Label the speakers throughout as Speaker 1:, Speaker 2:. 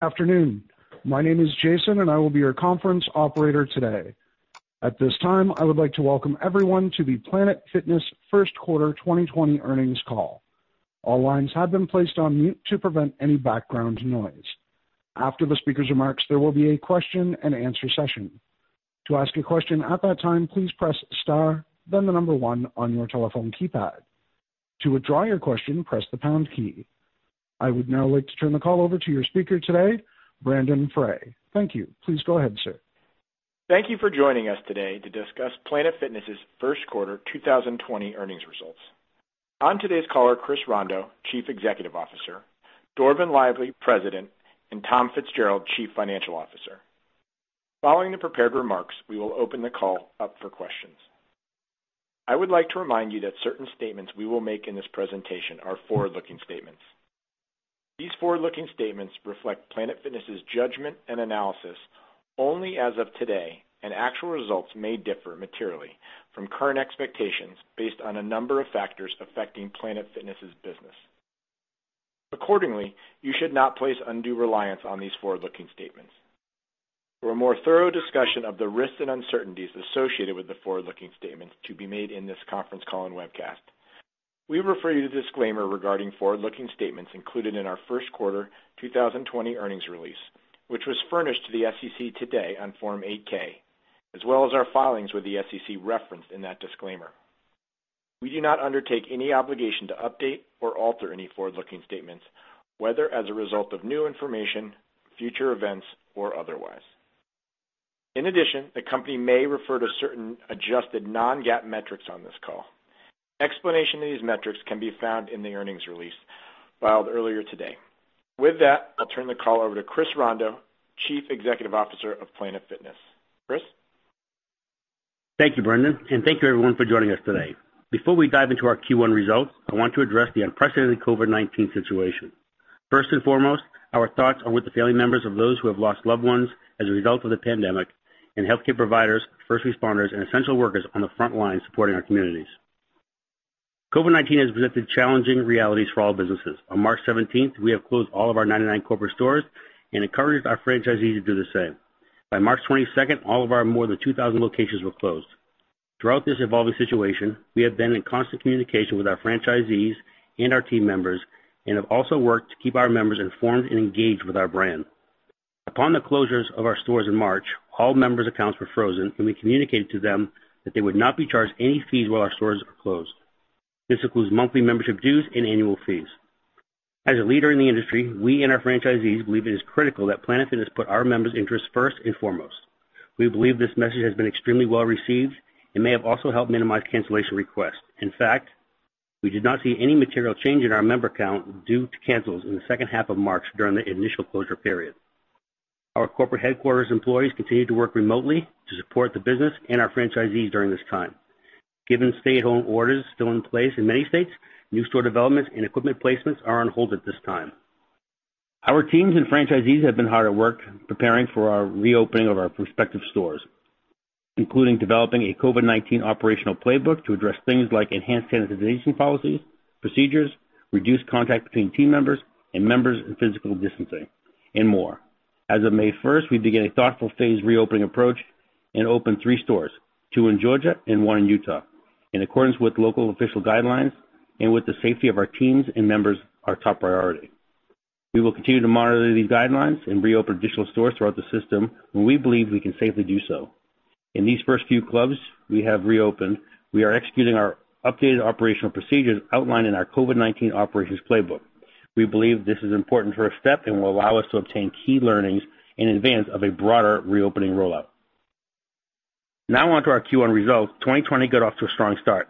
Speaker 1: Afternoon. My name is Jason. I will be your conference operator today. At this time, I would like to welcome everyone to the Planet Fitness First Quarter 2020 earnings call. All lines have been placed on mute to prevent any background noise. After the speaker's remarks, there will be a question-and-answer session. To ask a question at that time, please press star, then the number one on your telephone keypad. To withdraw your question, press the pound key. I would now like to turn the call over to your speaker today, Brendon Frey. Thank you. Please go ahead, sir.
Speaker 2: Thank you for joining us today to discuss Planet Fitness' first quarter 2020 earnings results. On today's call are Chris Rondeau, Chief Executive Officer, Dorvin Lively, President, and Tom Fitzgerald, Chief Financial Officer. Following the prepared remarks, we will open the call up for questions. I would like to remind you that certain statements we will make in this presentation are forward-looking statements. These forward-looking statements reflect Planet Fitness' judgment and analysis only as of today, and actual results may differ materially from current expectations based on a number of factors affecting Planet Fitness' business. Accordingly, you should not place undue reliance on these forward-looking statements. For a more thorough discussion of the risks and uncertainties associated with the forward-looking statements to be made in this conference call and webcast, we refer you to the disclaimer regarding forward-looking statements included in our first quarter 2020 earnings release, which was furnished to the SEC today on Form 8-K, as well as our filings with the SEC reference in that disclaimer. We do not undertake any obligation to update or alter any forward-looking statements, whether as a result of new information, future events, or otherwise. In addition, the company may refer to certain adjusted non-GAAP metrics on this call. Explanation of these metrics can be found in the earnings release filed earlier today. With that, I'll turn the call over to Chris Rondeau, Chief Executive Officer of Planet Fitness. Chris?
Speaker 3: Thank you, Brendon, and thank you everyone for joining us today. Before we dive into our Q1 results, I want to address the unprecedented COVID-19 situation. First and foremost, our thoughts are with the family members of those who have lost loved ones as a result of the pandemic, and healthcare providers, first responders, and essential workers on the front lines supporting our communities. COVID-19 has presented challenging realities for all businesses. On March 17th, we have closed all of our 99 corporate stores and encouraged our franchisees to do the same. By March 22nd, all of our more than 2,000 locations were closed. Throughout this evolving situation, we have been in constant communication with our franchisees and our team members and have also worked to keep our members informed and engaged with our brand. Upon the closures of our stores in March, all members' accounts were frozen, and we communicated to them that they would not be charged any fees while our stores were closed. This includes monthly membership dues and annual fees. As a leader in the industry, we and our franchisees believe it is critical that Planet Fitness put our members' interests first and foremost. We believe this message has been extremely well-received and may have also helped minimize cancellation requests. In fact, we did not see any material change in our member count due to cancels in the second half of March during the initial closure period. Our corporate headquarters employees continued to work remotely to support the business and our franchisees during this time. Given stay-at-home orders still in place in many states, new store developments and equipment placements are on hold at this time. Our teams and franchisees have been hard at work preparing for our reopening of our prospective stores, including developing a COVID-19 operational playbook to address things like enhanced sanitization policies, procedures, reduced contact between team members and members, and physical distancing, and more. As of May first, we began a thoughtful phased reopening approach and opened three stores, two in Georgia and one in Utah, in accordance with local official guidelines and with the safety of our teams and members our top priority. We will continue to monitor these guidelines and reopen additional stores throughout the system when we believe we can safely do so. In these first few clubs we have reopened, we are executing our updated operational procedures outlined in our COVID-19 operations playbook. We believe this is an important first step and will allow us to obtain key learnings in advance of a broader reopening rollout. Now on to our Q1 results. 2020 got off to a strong start.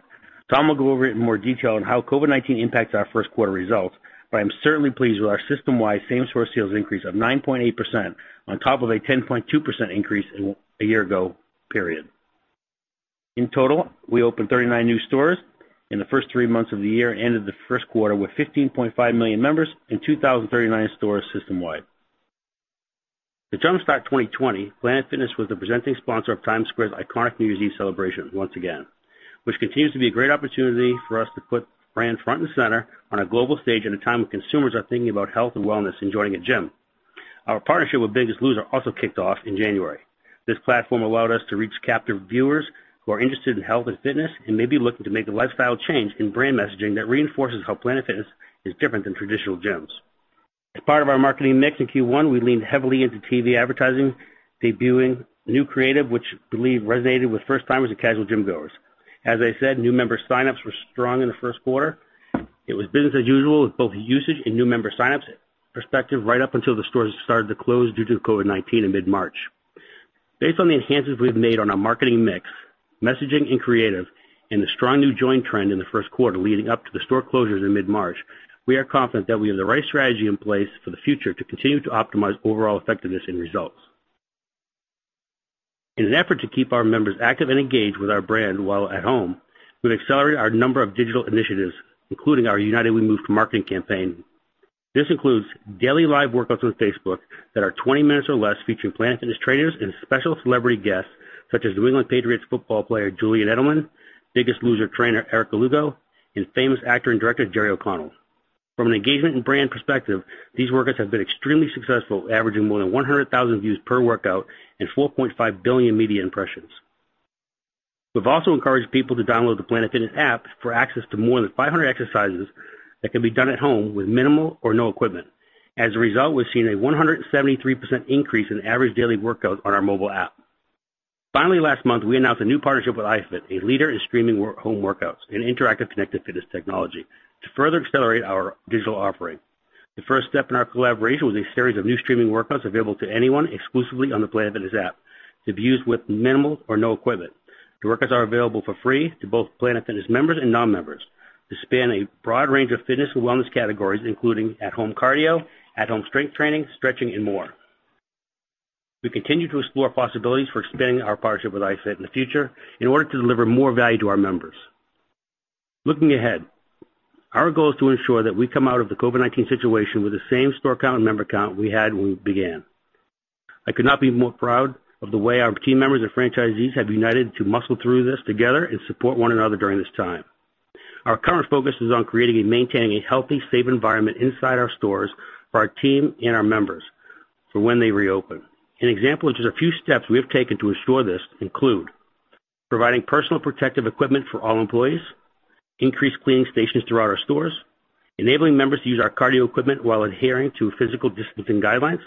Speaker 3: Tom will go over it in more detail on how COVID-19 impacts our first quarter results, but I'm certainly pleased with our system-wide same-store sales increase of 9.8% on top of a 10.2% increase a year ago period. In total, we opened 39 new stores in the first three months of the year and ended the first quarter with 15.5 million members and 2,039 stores system-wide. To jumpstart 2020, Planet Fitness was the presenting sponsor of Times Square's iconic New Year's Eve celebration once again, which continues to be a great opportunity for us to put brand front and center on a global stage at a time when consumers are thinking about health and wellness and joining a gym. Our partnership with The Biggest Loser also kicked off in January. This platform allowed us to reach captive viewers who are interested in health and fitness and may be looking to make the lifestyle change in brand messaging that reinforces how Planet Fitness is different than traditional gyms. As part of our marketing mix in Q1, we leaned heavily into TV advertising, debuting new creative, which we believe resonated with first-timers and casual gym-goers. As I said, new member sign-ups were strong in the first quarter. It was business as usual with both usage and new member sign-ups perspective right up until the stores started to close due to COVID-19 in mid-March. Based on the enhancements we've made on our marketing mix, messaging and creative, and the strong new join trend in the first quarter leading up to the store closures in mid-March, we are confident that we have the right strategy in place for the future to continue to optimize overall effectiveness and results. In an effort to keep our members active and engaged with our brand while at home, we've accelerated our number of digital initiatives, including our United We Move marketing campaign. This includes daily live workouts on Facebook that are 20 minutes or less, featuring Planet Fitness trainers and special celebrity guests such as New England Patriots football player Julian Edelman, Biggest Loser trainer Erica Lugo, and famous actor and director, Jerry O'Connell. From an engagement and brand perspective, these workouts have been extremely successful, averaging more than 100,000 views per workout and 4.5 billion media impressions. We've also encouraged people to download the Planet Fitness app for access to more than 500 exercises that can be done at home with minimal or no equipment. As a result, we've seen a 173% increase in average daily workouts on our mobile app. Finally, last month, we announced a new partnership with iFIT, a leader in streaming home workouts and interactive connected fitness technology to further accelerate our digital offering. The first step in our collaboration was a series of new streaming workouts available to anyone exclusively on the Planet Fitness app to be used with minimal or no equipment. The workouts are available for free to both Planet Fitness members and non-members, to span a broad range of fitness and wellness categories, including at-home cardio, at-home strength training, stretching, and more. We continue to explore possibilities for expanding our partnership with iFIT in the future in order to deliver more value to our members. Looking ahead, our goal is to ensure that we come out of the COVID-19 situation with the same store count and member count we had when we began. I could not be more proud of the way our team members and franchisees have united to muscle through this together and support one another during this time. Our current focus is on creating and maintaining a healthy, safe environment inside our stores for our team and our members for when they reopen. An example of just a few steps we have taken to ensure this include providing personal protective equipment for all employees, increased cleaning stations throughout our stores, enabling members to use our cardio equipment while adhering to physical distancing guidelines,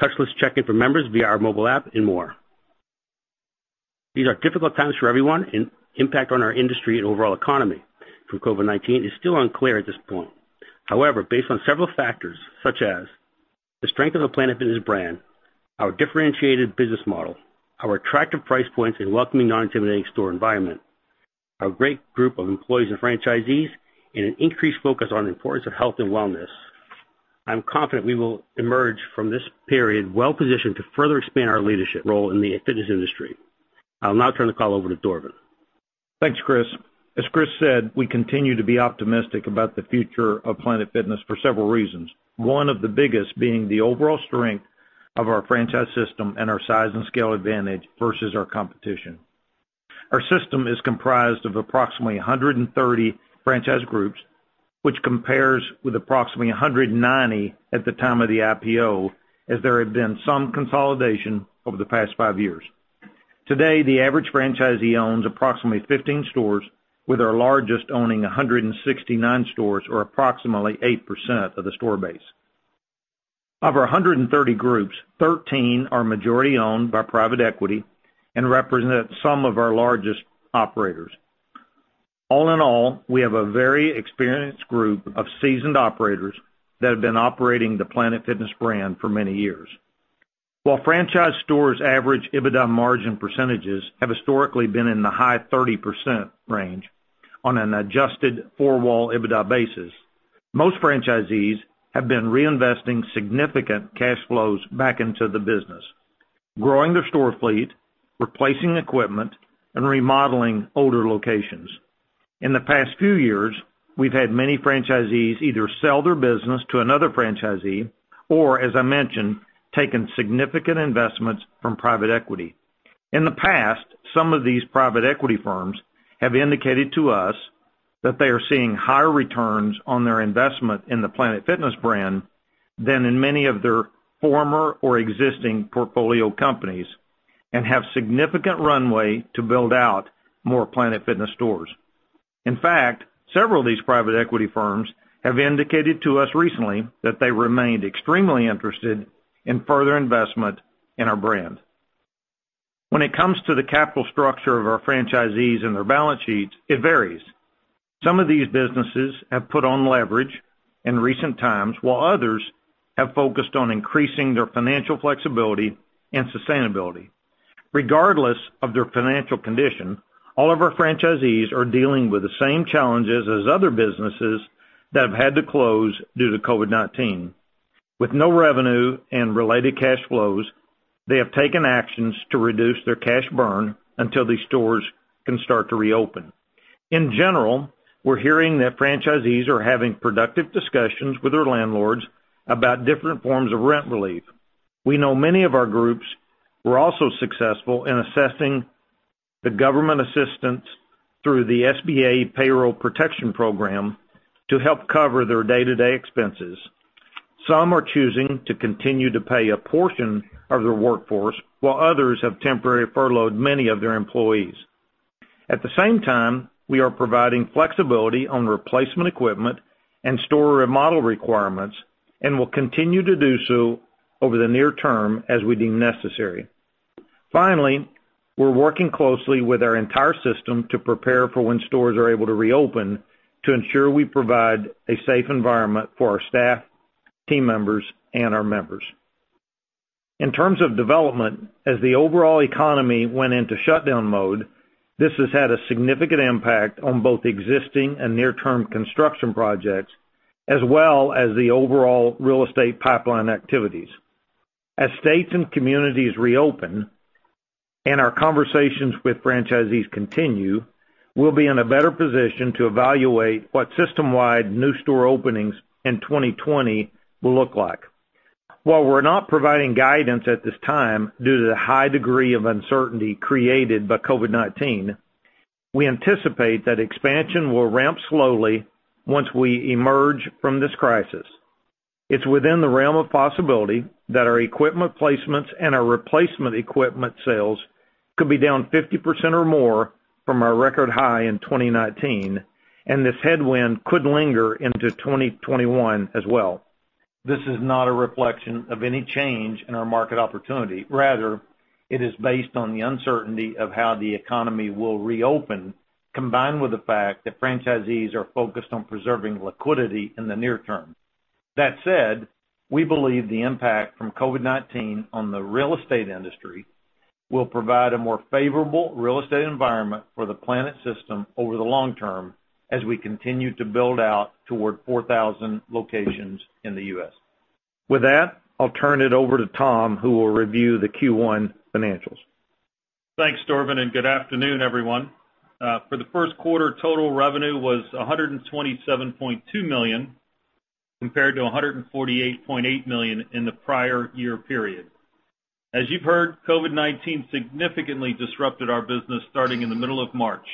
Speaker 3: touchless check-in for members via our mobile app, and more. These are difficult times for everyone. Impact on our industry and overall economy from COVID-19 is still unclear at this point. However, based on several factors such as the strength of the Planet Fitness brand, our differentiated business model, our attractive price points, and welcoming, non-intimidating store environment, our great group of employees and franchisees, and an increased focus on the importance of health and wellness, I'm confident we will emerge from this period well-positioned to further expand our leadership role in the fitness industry. I'll now turn the call over to Dorvin.
Speaker 4: Thanks, Chris. As Chris said, we continue to be optimistic about the future of Planet Fitness for several reasons. One of the biggest being the overall strength of our franchise system and our size and scale advantage versus our competition. Our system is comprised of approximately 130 franchise groups, which compares with approximately 190 at the time of the IPO, as there have been some consolidation over the past five years. Today, the average franchisee owns approximately 15 stores, with our largest owning 169 stores, or approximately 8% of the store base. Of our 130 groups, 13 are majority owned by private equity and represent some of our largest operators. All in all, we have a very experienced group of seasoned operators that have been operating the Planet Fitness brand for many years. While franchise stores' average EBITDA margin percentages have historically been in the high 30% range on an adjusted four-wall EBITDA basis, most franchisees have been reinvesting significant cash flows back into the business, growing their store fleet, replacing equipment, and remodeling older locations. In the past few years, we've had many franchisees either sell their business to another franchisee or, as I mentioned, taken significant investments from private equity. In the past, some of these private equity firms have indicated to us that they are seeing higher returns on their investment in the Planet Fitness brand than in many of their former or existing portfolio companies and have significant runway to build out more Planet Fitness stores. In fact, several of these private equity firms have indicated to us recently that they remained extremely interested in further investment in our brand. When it comes to the capital structure of our franchisees and their balance sheets, it varies. Some of these businesses have put on leverage in recent times, while others have focused on increasing their financial flexibility and sustainability. Regardless of their financial condition, all of our franchisees are dealing with the same challenges as other businesses that have had to close due to COVID-19. With no revenue and related cash flows, they have taken actions to reduce their cash burn until these stores can start to reopen. In general, we're hearing that franchisees are having productive discussions with their landlords about different forms of rent relief. We know many of our groups were also successful in assessing the government assistance through the SBA Paycheck Protection Program to help cover their day-to-day expenses. Some are choosing to continue to pay a portion of their workforce, while others have temporarily furloughed many of their employees. At the same time, we are providing flexibility on replacement equipment and store remodel requirements and will continue to do so over the near-term as we deem necessary. We're working closely with our entire system to prepare for when stores are able to reopen to ensure we provide a safe environment for our staff, team members, and our members. In terms of development, as the overall economy went into shutdown mode, this has had a significant impact on both existing and near-term construction projects, as well as the overall real estate pipeline activities. As states and communities reopen and our conversations with franchisees continue, we'll be in a better position to evaluate what system-wide new store openings in 2020 will look like. While we're not providing guidance at this time due to the high degree of uncertainty created by COVID-19, we anticipate that expansion will ramp slowly once we emerge from this crisis. It's within the realm of possibility that our equipment placements and our replacement equipment sales could be down 50% or more from our record high in 2019, and this headwind could linger into 2021 as well. This is not a reflection of any change in our market opportunity. Rather, it is based on the uncertainty of how the economy will reopen, combined with the fact that franchisees are focused on preserving liquidity in the near-term. That said, we believe the impact from COVID-19 on the real estate industry will provide a more favorable real estate environment for the Planet system over the long-term as we continue to build out toward 4,000 locations in the U.S. With that, I'll turn it over to Tom, who will review the Q1 financials.
Speaker 5: Thanks, Dorvin. Good afternoon, everyone. For the first quarter, total revenue was $127.2 million, compared to $148.8 million in the prior year period. As you've heard, COVID-19 significantly disrupted our business starting in the middle of March.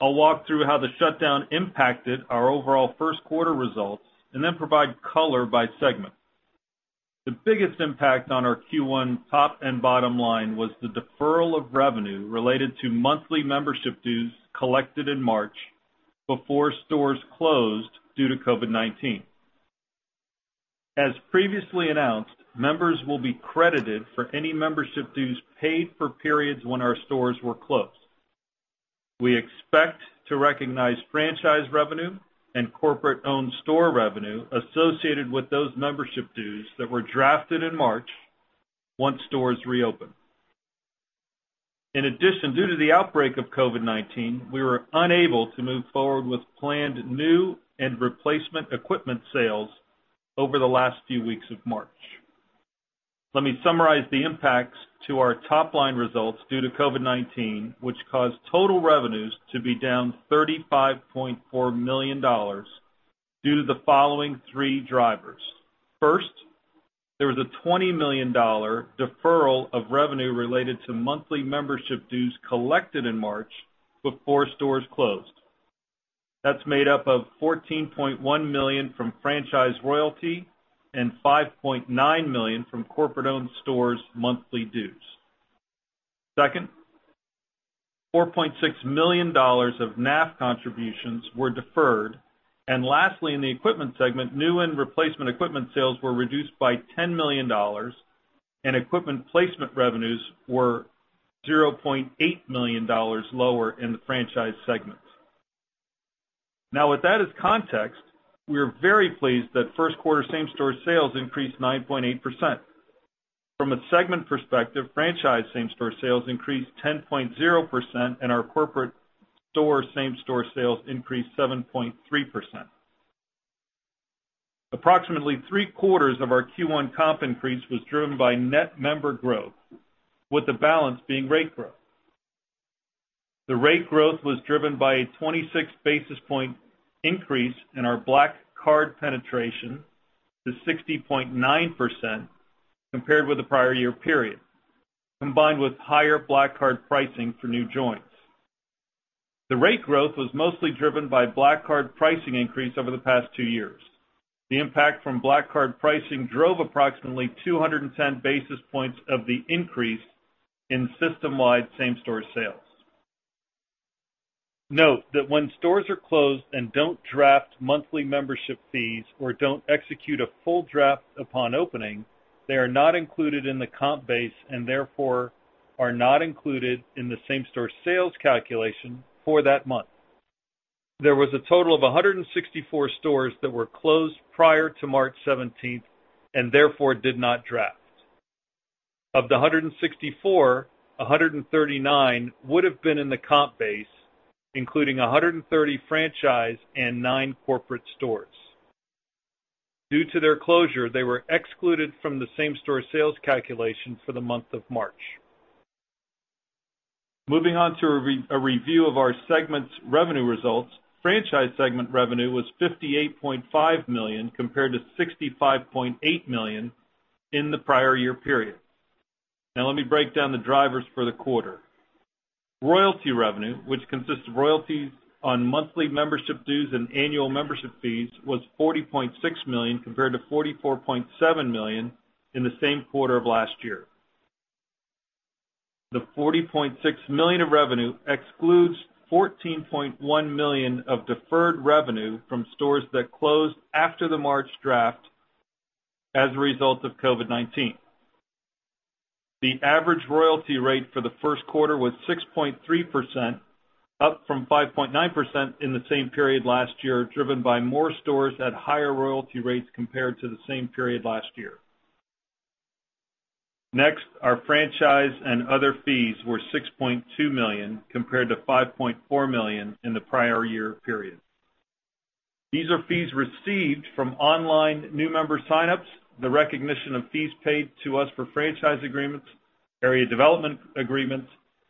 Speaker 5: I'll walk through how the shutdown impacted our overall first quarter results and then provide color by segment. The biggest impact on our Q1 top and bottom line was the deferral of revenue related to monthly membership dues collected in March before stores closed due to COVID-19. As previously announced, members will be credited for any membership dues paid for periods when our stores were closed. We expect to recognize franchise revenue and corporate-owned store revenue associated with those membership dues that were drafted in March once stores reopen. In addition, due to the outbreak of COVID-19, we were unable to move forward with planned new and replacement equipment sales over the last few weeks of March. Let me summarize the impacts to our top-line results due to COVID-19, which caused total revenues to be down $35.4 million due to the following three drivers. There was a $20 million deferral of revenue related to monthly membership dues collected in March before stores closed. That's made up of $14.1 million from franchise royalty and $5.9 million from corporate-owned stores' monthly dues. $4.6 million of NAF contributions were deferred. Lastly, in the equipment segment, new and replacement equipment sales were reduced by $10 million, and equipment placement revenues were $0.8 million lower in the franchise segment. With that as context, we are very pleased that first quarter same-store sales increased 9.8%. From a segment perspective, franchise same-store sales increased 10.0%, and our corporate store same-store sales increased 7.3%. Approximately three-quarters of our Q1 comp increase was driven by net member growth, with the balance being rate growth. The rate growth was driven by a 26 basis point increase in our Black Card penetration to 60.9% compared with the prior year period, combined with higher Black Card pricing for new joins. The rate growth was mostly driven by Black Card pricing increase over the past two years. The impact from Black Card pricing drove approximately 210 basis points of the increase in system-wide same-store sales. Note that when stores are closed and don't draft monthly membership fees or don't execute a full draft upon opening, they are not included in the comp base and therefore are not included in the same-store sales calculation for that month. There was a total of 164 stores that were closed prior to March 17th and therefore did not draft. Of the 164, 139 would have been in the comp base, including 130 franchise and nine corporate stores. Due to their closure, they were excluded from the same-store sales calculation for the month of March. Moving on to a review of our segment's revenue results. Franchise segment revenue was $58.5 million compared to $65.8 million in the prior year period. Now let me break down the drivers for the quarter. Royalty revenue, which consists of royalties on monthly membership dues and annual membership fees, was $40.6 million compared to $44.7 million in the same quarter of last year. The $40.6 million of revenue excludes $14.1 million of deferred revenue from stores that closed after the March draft as a result of COVID-19. The average royalty rate for the first quarter was 6.3%, up from 5.9% in the same period last year, driven by more stores at higher royalty rates compared to the same period last year. Our franchise and other fees were $6.2 million, compared to $5.4 million in the prior year period. These are fees received from online new member sign-ups, the recognition of fees paid to us for franchise agreements, area development agreements,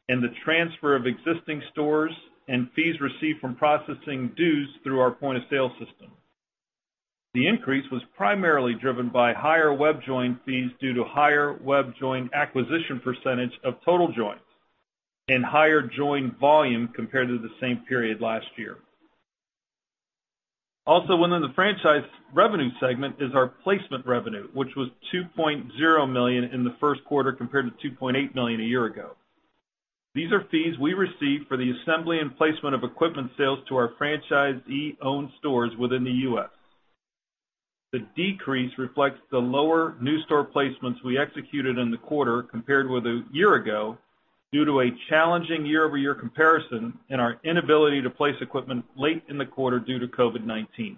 Speaker 5: and the transfer of existing stores and fees received from processing dues through our point-of-sale system. The increase was primarily driven by higher web join fees due to higher web join acquisition % of total joins, and higher join volume compared to the same period last year. Within the franchise revenue segment is our placement revenue, which was $2.0 million in the first quarter, compared to $2.8 million a year ago. These are fees we received for the assembly and placement of equipment sales to our franchisee-owned stores within the U.S. The decrease reflects the lower new store placements we executed in the quarter compared with a year-over-year ago, due to a challenging year-over-year comparison and our inability to place equipment late in the quarter due to COVID-19.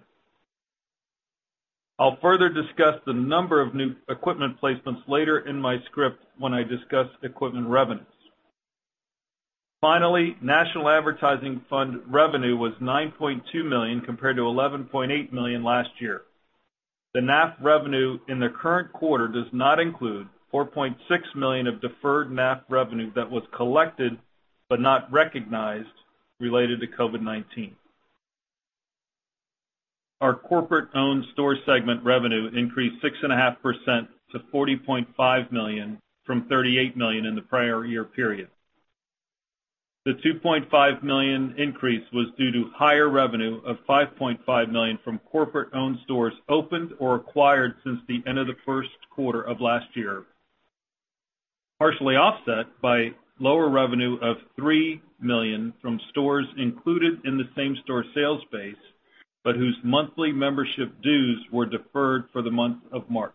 Speaker 5: I'll further discuss the number of new equipment placements later in my script when I discuss equipment revenues. Finally, National Advertising Fund revenue was $9.2 million, compared to $11.8 million last year. The NAF revenue in the current quarter does not include $4.6 million of deferred NAF revenue that was collected but not recognized related to COVID-19. Our corporate-owned store segment revenue increased 6.5% to $40.5 million from $38 million in the prior year period. The $2.5 million increase was due to higher revenue of $5.5 million from corporate-owned stores opened or acquired since the end of the first quarter of last year, partially offset by lower revenue of $3 million from stores included in the same-store sales base, but whose monthly membership dues were deferred for the month of March.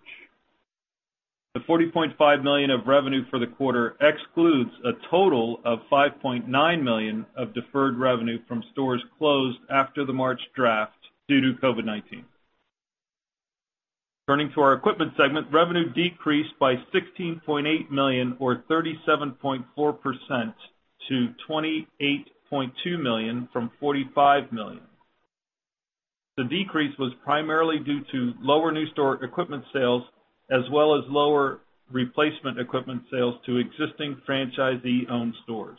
Speaker 5: The $40.5 million of revenue for the quarter excludes a total of $5.9 million of deferred revenue from stores closed after the March draft due to COVID-19. Turning to our equipment segment, revenue decreased by $16.8 million or 37.4% to $28.2 million from $45 million. The decrease was primarily due to lower new store equipment sales, as well as lower replacement equipment sales to existing franchisee-owned stores.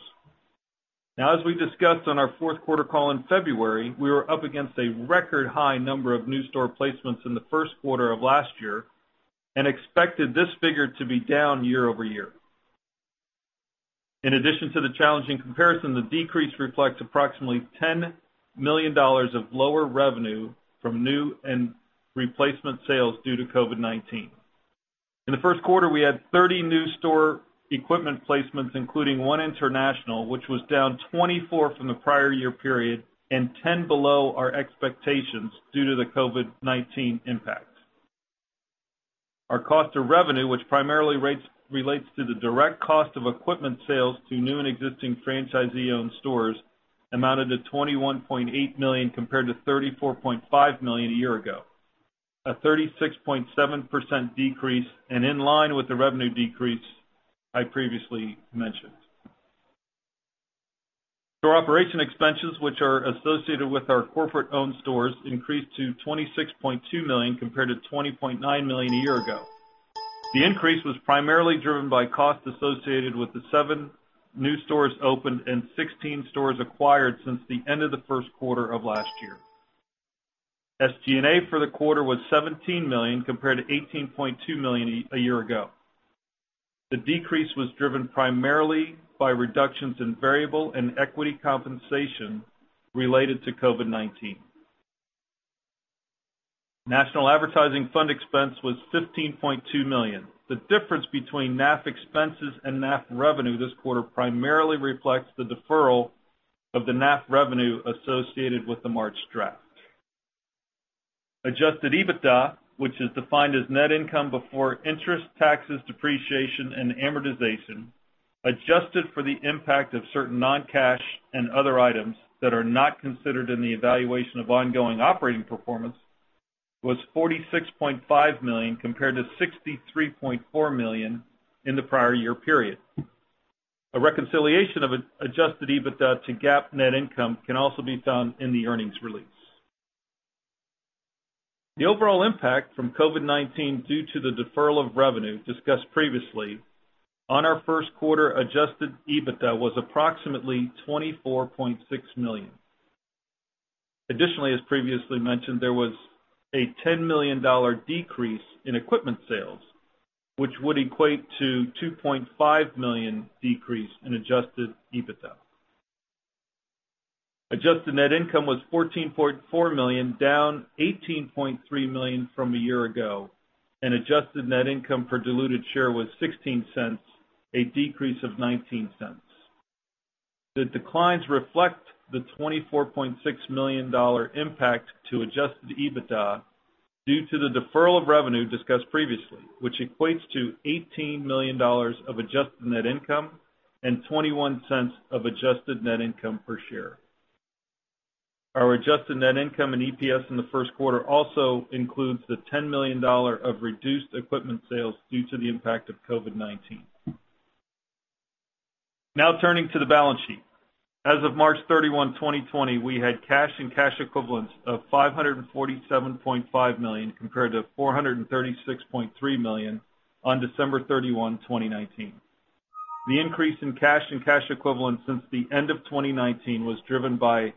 Speaker 5: As we discussed on our fourth quarter call in February, we were up against a record high number of new store placements in the first quarter of last year and expected this figure to be down year-over-year. In addition to the challenging comparison, the decrease reflects approximately $10 million of lower revenue from new and replacement sales due to COVID-19. In the first quarter, we had 30 new store equipment placements, including one international, which was down 24 from the prior year period and 10 below our expectations due to the COVID-19 impact. Our cost of revenue, which primarily relates to the direct cost of equipment sales to new and existing franchisee-owned stores, amounted to $21.8 million compared to $34.5 million a year ago, a 36.7% decrease and in line with the revenue decrease I previously mentioned. Store operation expenses, which are associated with our corporate-owned stores, increased to $26.2 million compared to $20.9 million a year ago. The increase was primarily driven by costs associated with the seven new stores opened and 16 stores acquired since the end of the first quarter of last year. SG&A for the quarter was $17 million, compared to $18.2 million a year ago. The decrease was driven primarily by reductions in variable and equity compensation related to COVID-19. National advertising fund expense was $15.2 million. The difference between NAF expenses and NAF revenue this quarter primarily reflects the deferral of the NAF revenue associated with the March draft. Adjusted EBITDA, which is defined as net income before interest, taxes, depreciation, and amortization, adjusted for the impact of certain non-cash and other items that are not considered in the evaluation of ongoing operating performance, was $46.5 million compared to $63.4 million in the prior year period. A reconciliation of adjusted EBITDA to GAAP net income can also be found in the earnings release. The overall impact from COVID-19 due to the deferral of revenue discussed previously on our first quarter adjusted EBITDA was approximately $24.6 million. Additionally, as previously mentioned, there was a $10 million decrease in equipment sales, which would equate to $2.5 million decrease in adjusted EBITDA. Adjusted net income was $14.4 million, down $18.3 million from a year ago, and adjusted net income per diluted share was $0.16, a decrease of $0.19. The declines reflect the $24.6 million impact to adjusted EBITDA due to the deferral of revenue discussed previously, which equates to $18 million of adjusted net income and $0.21 of adjusted net income per share. Our adjusted net income and EPS in the first quarter also includes the $10 million of reduced equipment sales due to the impact of COVID-19. Turning to the balance sheet. As of March 31, 2020, we had cash and cash equivalents of $547.5 million, compared to $436.3 million on December 31, 2019. The increase in cash and cash equivalents since the end of 2019 was driven by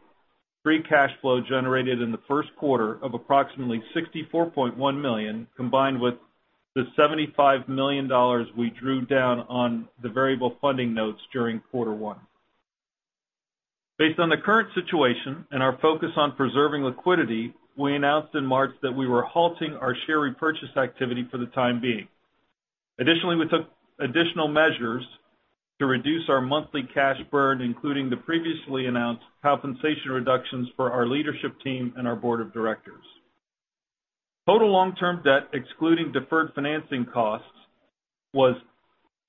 Speaker 5: free cash flow generated in the first quarter of approximately $64.1 million, combined with the $75 million we drew down on the variable funding notes during quarter one. Based on the current situation and our focus on preserving liquidity, we announced in March that we were halting our share repurchase activity for the time being. Additionally, we took additional measures to reduce our monthly cash burn, including the previously announced compensation reductions for our leadership team and our board of directors. Total long-term debt, excluding deferred financing costs, was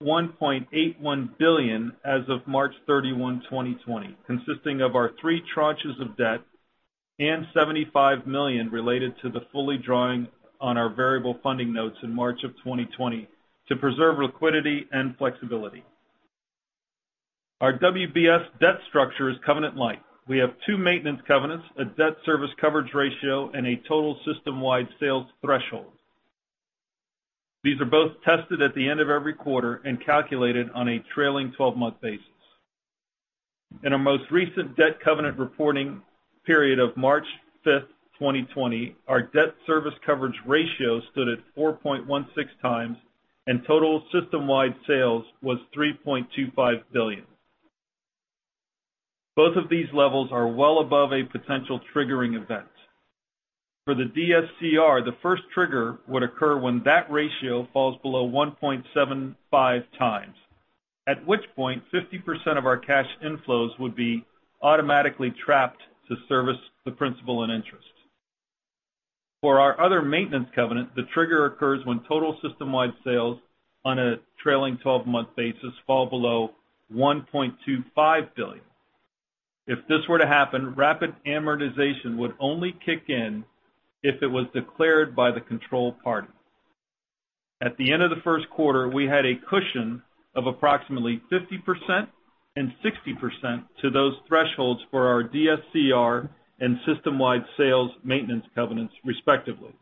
Speaker 5: $1.81 billion as of March 31, 2020, consisting of our three tranches of debt and $75 million related to the fully drawing on our variable funding notes in March of 2020 to preserve liquidity and flexibility. Our WBS debt structure is covenant light. We have two maintenance covenants, a debt service coverage ratio, and a total system-wide sales threshold. These are both tested at the end of every quarter and calculated on a trailing 12-month basis. In our most recent debt covenant reporting period of March 5th, 2020, our debt service coverage ratio stood at 4.16x, and total system-wide sales was $3.25 billion. Both of these levels are well above a potential triggering event. For the DSCR, the first trigger would occur when that ratio falls below 1.75x, at which point 50% of our cash inflows would be automatically trapped to service the principal and interest. For our other maintenance covenant, the trigger occurs when total system-wide sales on a trailing 12-month basis fall below $1.25 billion. If this were to happen, rapid amortization would only kick in if it was declared by the control party. At the end of the first quarter, we had a cushion of approximately 50% and 60% to those thresholds for our DSCR and system-wide sales maintenance covenants, respectively.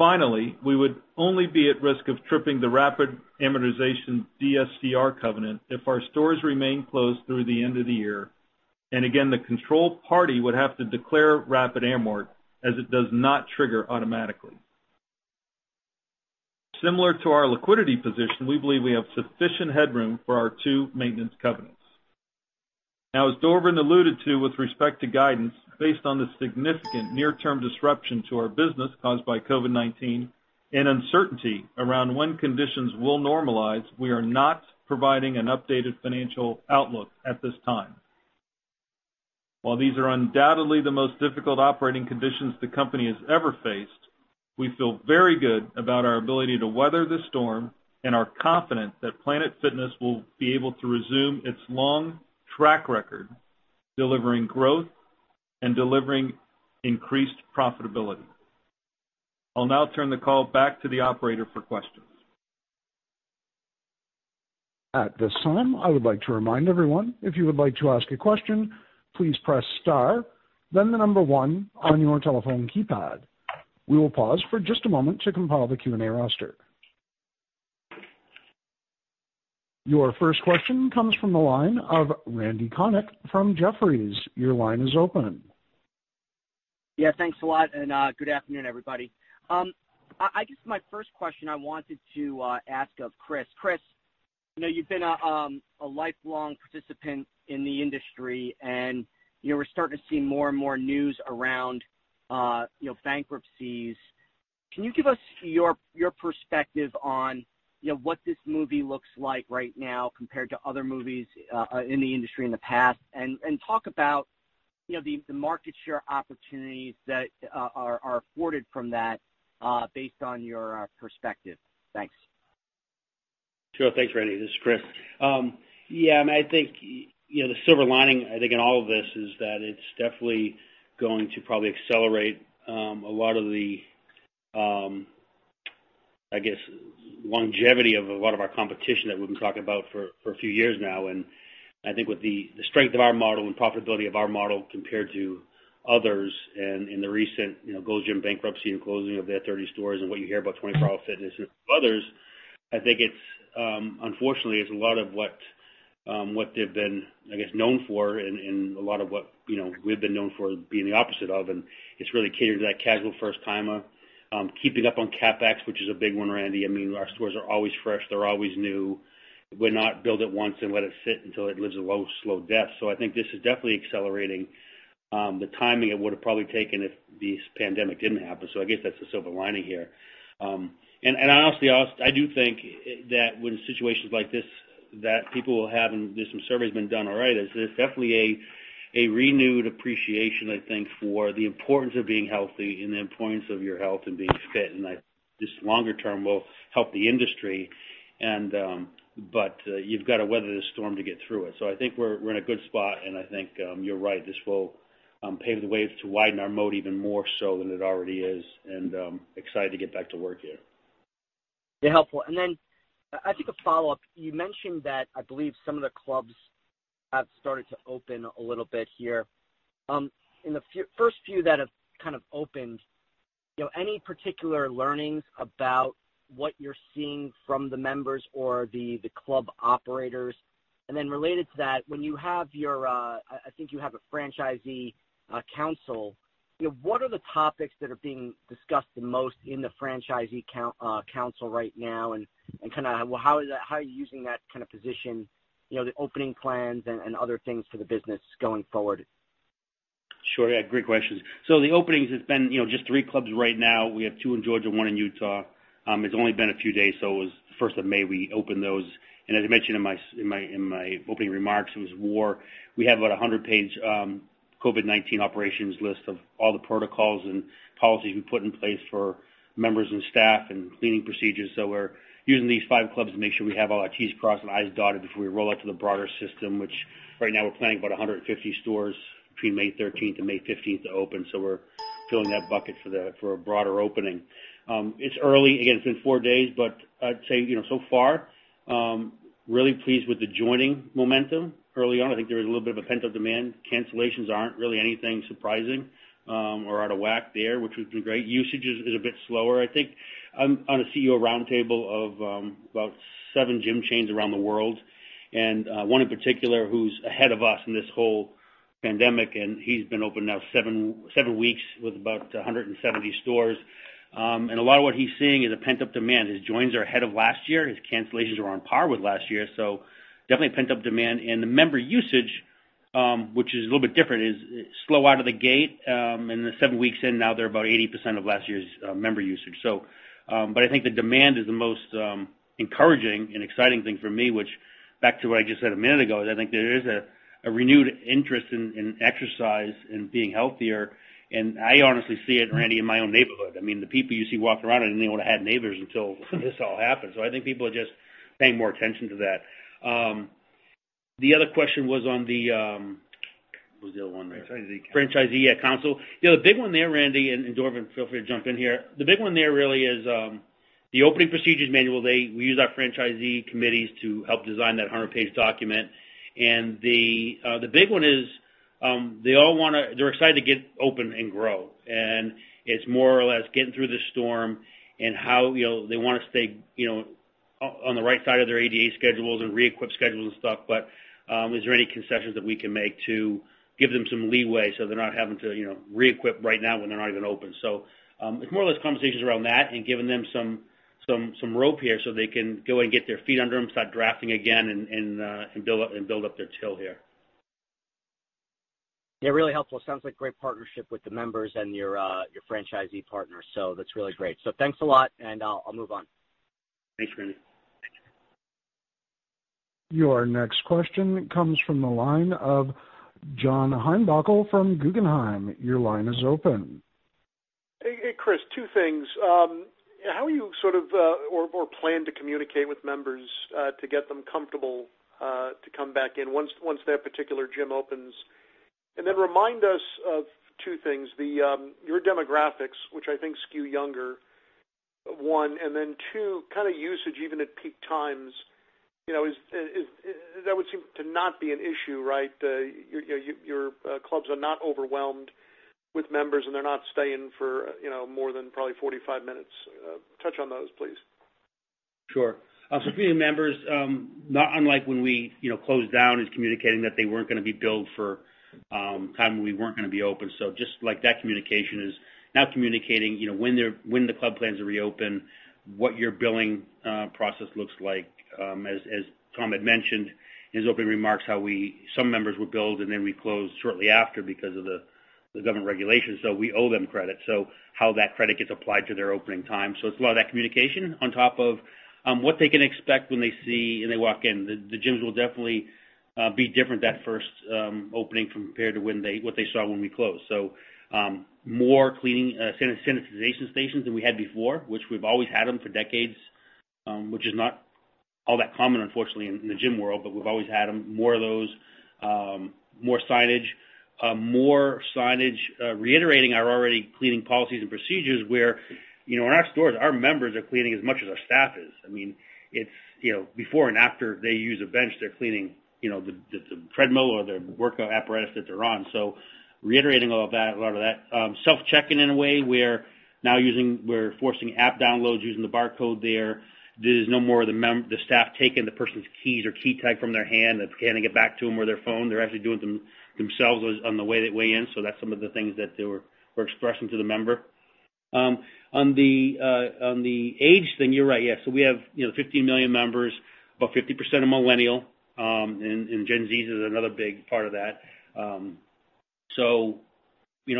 Speaker 5: Finally, we would only be at risk of tripping the rapid amortization DSCR covenant if our stores remain closed through the end of the year. Again, the control party would have to declare rapid amort as it does not trigger automatically. Similar to our liquidity position, we believe we have sufficient headroom for our two maintenance covenants. As Dorvin alluded to with respect to guidance, based on the significant near-term disruption to our business caused by COVID-19 and uncertainty around when conditions will normalize, we are not providing an updated financial outlook at this time. While these are undoubtedly the most difficult operating conditions the company has ever faced, we feel very good about our ability to weather the storm, and are confident that Planet Fitness will be able to resume its long track record, delivering growth and delivering increased profitability. I'll now turn the call back to the operator for questions.
Speaker 1: At this time, I would like to remind everyone, if you would like to ask a question, please press star, then the number one on your telephone keypad. We will pause for just a moment to compile the Q&A roster. Your first question comes from the line of Randal Konik from Jefferies. Your line is open.
Speaker 6: Yeah, thanks a lot. Good afternoon, everybody. I guess my first question I wanted to ask of Chris. Chris, you've been a lifelong participant in the industry, and we're starting to see more and more news around bankruptcies. Can you give us your perspective on what this movie looks like right now compared to other movies in the industry in the past, and talk about the market share opportunities that are afforded from that based on your perspective? Thanks.
Speaker 3: Sure. Thanks, Randal. This is Chris. I think the silver lining, I think in all of this is that it's definitely going to probably accelerate a lot of the, I guess, longevity of a lot of our competition that we've been talking about for a few years now. I think with the strength of our model and profitability of our model compared to others and in the recent Gold's Gym bankruptcy and closing of their 30 stores and what you hear about 24-Hour Fitness and others, I think it's, unfortunately, it's a lot of what they've been, I guess, known for and a lot of what we've been known for being the opposite of, and it's really catered to that casual first-timer. Keeping up on CapEx, which is a big one, Randal. I mean, our stores are always fresh. They're always new. We're not built it once and let it sit until it lives a low, slow death. I think this is definitely accelerating the timing it would have probably taken if this pandemic didn't happen. I guess that's the silver lining here. Honestly, I do think that when situations like this, that people will have, and there's some surveys been done already, there's definitely a renewed appreciation, I think, for the importance of being healthy and the importance of your health and being fit. This longer-term will help the industry, but you've got to weather the storm to get through it. I think we're in a good spot, and I think you're right, this will Pave the way to widen our moat even more so than it already is, and excited to get back to work here.
Speaker 6: Yeah, helpful. I think a follow-up, you mentioned that, I believe, some of the clubs have started to open a little bit here. In the first few that have kind of opened, any particular learnings about what you're seeing from the members or the club operators? Related to that, when you have your, I think you have a franchisee council, what are the topics that are being discussed the most in the franchisee council right now and how are you using that position, the opening plans and other things for the business going forward?
Speaker 3: Sure, yeah. Great questions. The openings, it's been just three clubs right now. We have two in Georgia, one in Utah. It's only been a few days, so it was the 1st of May we opened those. As I mentioned in my opening remarks, it was war. We had about a 100-page COVID-19 operations list of all the protocols and policies we put in place for members and staff and cleaning procedures. We're using these five clubs to make sure we have all our T's crossed and I's dotted before we roll out to the broader system, which right now we're planning about 150 stores between May 13th and May 15th to open. It's early, again, it's been four days, but I'd say, so far, really pleased with the joining momentum early on. I think there was a little bit of a pent-up demand. Cancellations aren't really anything surprising or out of whack there, which was great. Usage is a bit slower, I think. I'm on a CEO roundtable of about seven gym chains around the world, and one in particular who's ahead of us in this whole pandemic, and he's been open now seven weeks with about 170 stores. A lot of what he's seeing is a pent-up demand. His joins are ahead of last year. His cancellations are on par with last year, so definitely pent-up demand. The member usage, which is a little bit different, is slow out of the gate. Seven weeks in now, they're about 80% of last year's member usage. I think the demand is the most encouraging and exciting thing for me, which back to what I just said a minute ago, is I think there is a renewed interest in exercise and being healthier. I honestly see it, Randal, in my own neighborhood. I mean, the people you see walking around, I didn't even know I had neighbors until this all happened. I think people are just paying more attention to that. The other question was on the, what was the other one there?
Speaker 6: Franchisee council.
Speaker 3: Franchisee council. The big one there, Randal, and Dorvin, feel free to jump in here. The big one there really is the opening procedures manual. We use our franchisee committees to help design that 100-page document. The big one is they're excited to get open and grow, and it's more or less getting through the storm and how they want to stay on the right side of their ADA schedules and re-equip schedules and stuff. Is there any concessions that we can make to give them some leeway so they're not having to re-equip right now when they're not even open? It's more or less conversations around that and giving them some rope here so they can go and get their feet under them, start drafting again and build up their till here.
Speaker 6: Yeah, really helpful. Sounds like great partnership with the members and your franchisee partners, so that's really great. Thanks a lot and I'll move on.
Speaker 3: Thanks, Randal.
Speaker 1: Your next question comes from the line of John Heinbockel from Guggenheim. Your line is open.
Speaker 7: Hey, Chris, two things. How are you sort of, or plan to communicate with members to get them comfortable to come back in once that particular gym opens? Remind us of two things, your demographics, which I think skew younger, one, and then two, kind of usage even at peak times, that would seem to not be an issue, right? Your clubs are not overwhelmed with members and they're not staying for more than probably 45 minutes. Touch on those, please.
Speaker 3: Sure. For the members, not unlike when we closed down, is communicating that they weren't going to be billed for time when we weren't going to be open. Just like that communication is now communicating when the club plans to reopen, what your billing process looks like. As Tom had mentioned in his opening remarks how some members were billed, and then we closed shortly after because of the government regulations, so we owe them credit. How that credit gets applied to their opening time. It's a lot of that communication on top of what they can expect when they see and they walk in. The gyms will definitely be different that first opening compared to what they saw when we closed. More cleaning sanitization stations than we had before, which we've always had them for decades, which is not all that common unfortunately in the gym world, but we've always had them. More of those. More signage. More signage reiterating our already cleaning policies and procedures where in our stores, our members are cleaning as much as our staff is. I mean, before and after they use a bench, they're cleaning the treadmill or the workout apparatus that they're on. Reiterating a lot of that. Self-checking in a way. We're now forcing app downloads using the barcode there. There's no more of the staff taking the person's keys or key tag from their hand and handing it back to them or their phone. They're actually doing it themselves on the way they check in. That's some of the things that we're expressing to the member. On the age thing, you're right. Yeah. We have 15 million members, about 50% are millennial, and Gen Z is another big part of that.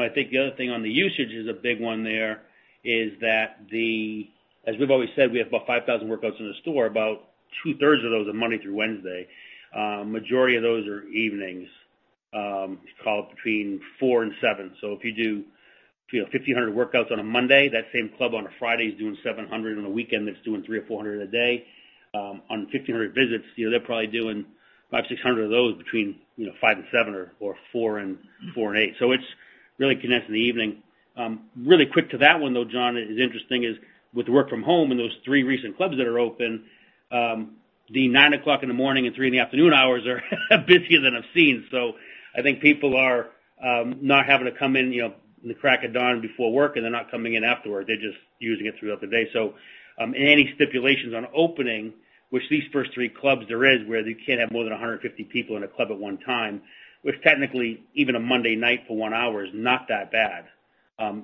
Speaker 3: I think the other thing on the usage is a big one there, is that as we've always said, we have about 5,000 workouts in a store, about two-thirds of those are Monday through Wednesday. Majority of those are evenings. It's called between 4:00 and 7:00. If you do 1,500 workouts on a Monday. That same club on a Friday is doing 700. On a weekend, it's doing 300 or 400 a day. On 1,500 visits, they're probably doing 500 or 600 of those between five and seven or four and eight. It's really condensed in the evening. Really quick to that one, though, John, it is interesting is with work from home and those three recent clubs that are open, the 9:00 A.M. in the morning and 3:00 P.M. in the afternoon hours are busier than I've seen. I think people are not having to come in the crack of dawn before work, and they're not coming in afterward. They're just using it throughout the day. Any stipulations on opening, which these first three clubs there is, where you can't have more than 150 people in a club at one time, which technically even a Monday night for one hour is not that bad.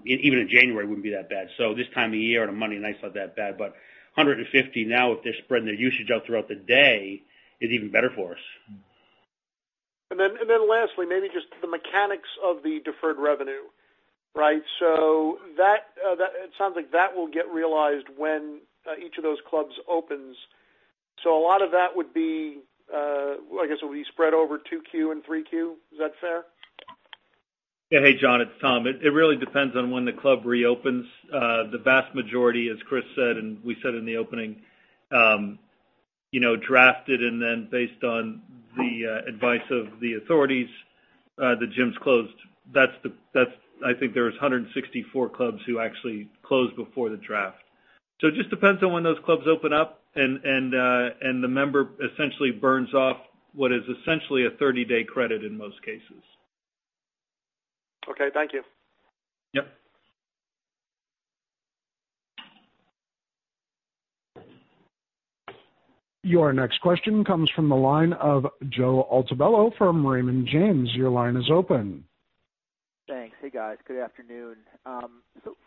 Speaker 3: Even in January, it wouldn't be that bad. This time of year on a Monday night's not that bad, 150 now, if they're spreading their usage out throughout the day, is even better for us.
Speaker 7: Lastly, maybe just the mechanics of the deferred revenue. Right? It sounds like that will get realized when each of those clubs opens. A lot of that would be, I guess, will be spread over 2Q and 3Q. Is that fair?
Speaker 5: Yeah. Hey, John, it's Tom. It really depends on when the club reopens. The vast majority, as Chris said, and we said in the opening, drafted and then based on the advice of the authorities, the gyms closed. I think there was 164 clubs who actually closed before the draft. It just depends on when those clubs open up and the member essentially burns off what is essentially a 30-day credit in most cases.
Speaker 7: Okay. Thank you.
Speaker 5: Yep.
Speaker 1: Your next question comes from the line of Joe Altobello from Raymond James. Your line is open.
Speaker 8: Thanks. Hey, guys. Good afternoon.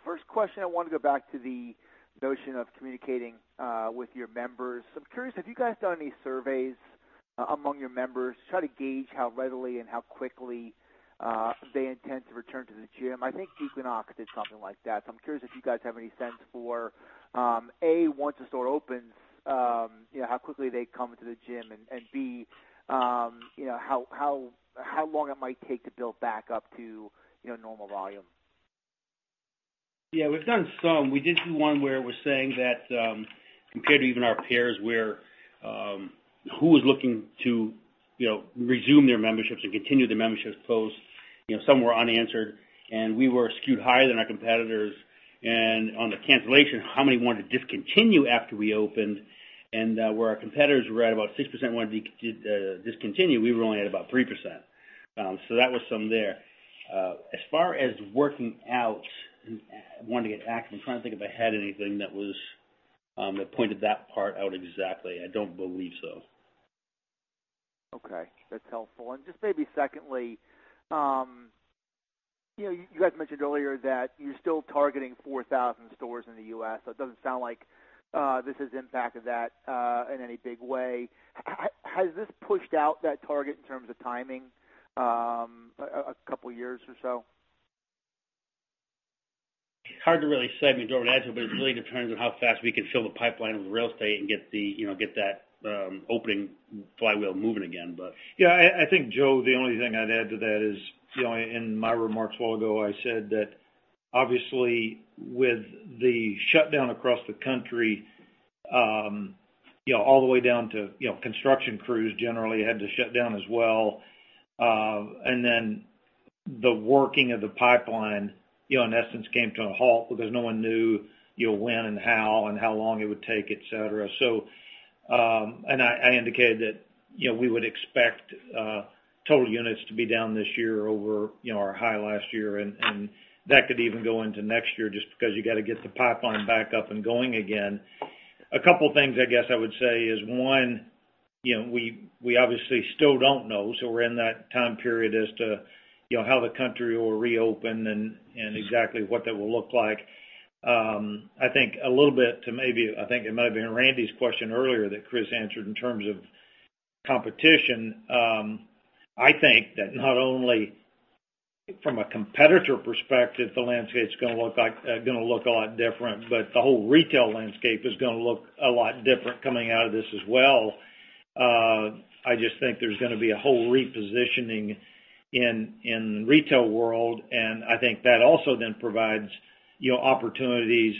Speaker 8: First question, I want to go back to the notion of communicating with your members. I'm curious, have you guys done any surveys among your members to try to gauge how readily and how quickly they intend to return to the gym? I think Equinox did something like that, I'm curious if you guys have any sense for, A, once a store opens, how quickly they come to the gym and, B, how long it might take to build back up to normal volume.
Speaker 3: Yeah, we've done some. We did do one where it was saying that, compared to even our peers where, who was looking to resume their memberships and continue their memberships post. Some were unanswered, and we were skewed higher than our competitors. On the cancellation, how many wanted to discontinue after we opened, and where our competitors were at about 6% wanted to discontinue, we were only at about 3%. That was some there. As far as working out and wanting to get active, I'm trying to think if I had anything that pointed that part out exactly. I don't believe so.
Speaker 8: Okay, that's helpful. Just maybe secondly, you guys mentioned earlier that you're still targeting 4,000 stores in the U.S., so it doesn't sound like this has impacted that in any big way. Has this pushed out that target in terms of timing a couple of years or so?
Speaker 3: Hard to really say. I mean, Joe, I can add to it, but it really depends on how fast we can fill the pipeline with real estate and get that opening flywheel moving again.
Speaker 4: Yeah, I think, Joe, the only thing I'd add to that is, in my remarks a while ago, I said that obviously with the shutdown across the country, all the way down to construction crews generally had to shut down as well. The working of the pipeline, in essence, came to a halt because no one knew when and how, and how long it would take, et cetera. I indicated that we would expect total units to be down this year over our high last year, and that could even go into next year just because you got to get the pipeline back up and going again. A couple of things, I guess, I would say is, one, we obviously still don't know, we're in that time period as to how the country will reopen and exactly what that will look like. I think a little bit to maybe, I think it might have been Randal's question earlier that Chris answered in terms of competition. I think that not only from a competitor perspective, the landscape's going to look a lot different, but the whole retail landscape is going to look a lot different coming out of this as well. I just think there's going to be a whole repositioning in retail world, and I think that also then provides opportunities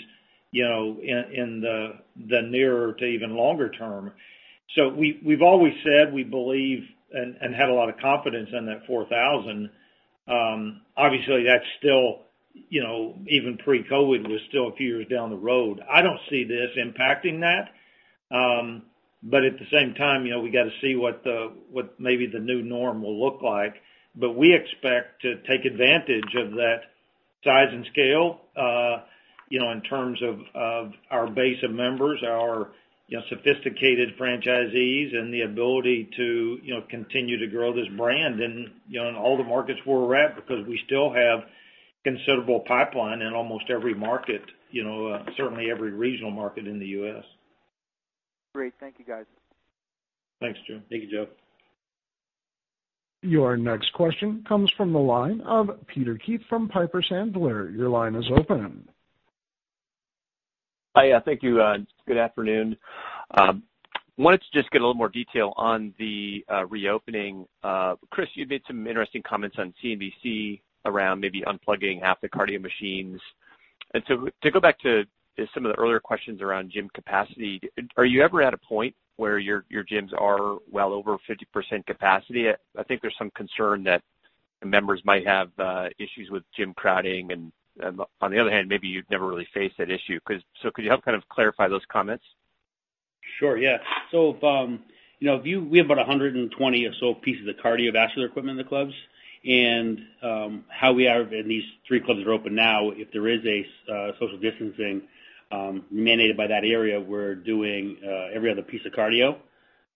Speaker 4: in the nearer to even longer-term. We've always said we believe and had a lot of confidence in that 4,000. Obviously, that's still, even pre-COVID, was still a few years down the road. I don't see this impacting that. At the same time, we got to see what maybe the new norm will look like. We expect to take advantage of that size and scale, in terms of our base of members, our sophisticated franchisees and the ability to continue to grow this brand and in all the markets we're at because we still have considerable pipeline in almost every market, certainly every regional market in the U.S.
Speaker 8: Great. Thank you, guys.
Speaker 4: Thanks, Joe.
Speaker 3: Thank you, Joe.
Speaker 1: Your next question comes from the line of Peter Keith from Piper Sandler. Your line is open.
Speaker 9: Hi. Thank you. Good afternoon. Wanted to just get a little more detail on the reopening. Chris, you made some interesting comments on CNBC around maybe unplugging half the cardio machines. To go back to some of the earlier questions around gym capacity, are you ever at a point where your gyms are well over 50% capacity? I think there's some concern that members might have issues with gym crowding, and on the other hand, maybe you've never really faced that issue. Could you help clarify those comments?
Speaker 3: Sure, yeah. We have about 120 or so pieces of cardiovascular equipment in the clubs, and how we are, these three clubs are open now, if there is a social distancing mandated by that area, we're doing every other piece of cardio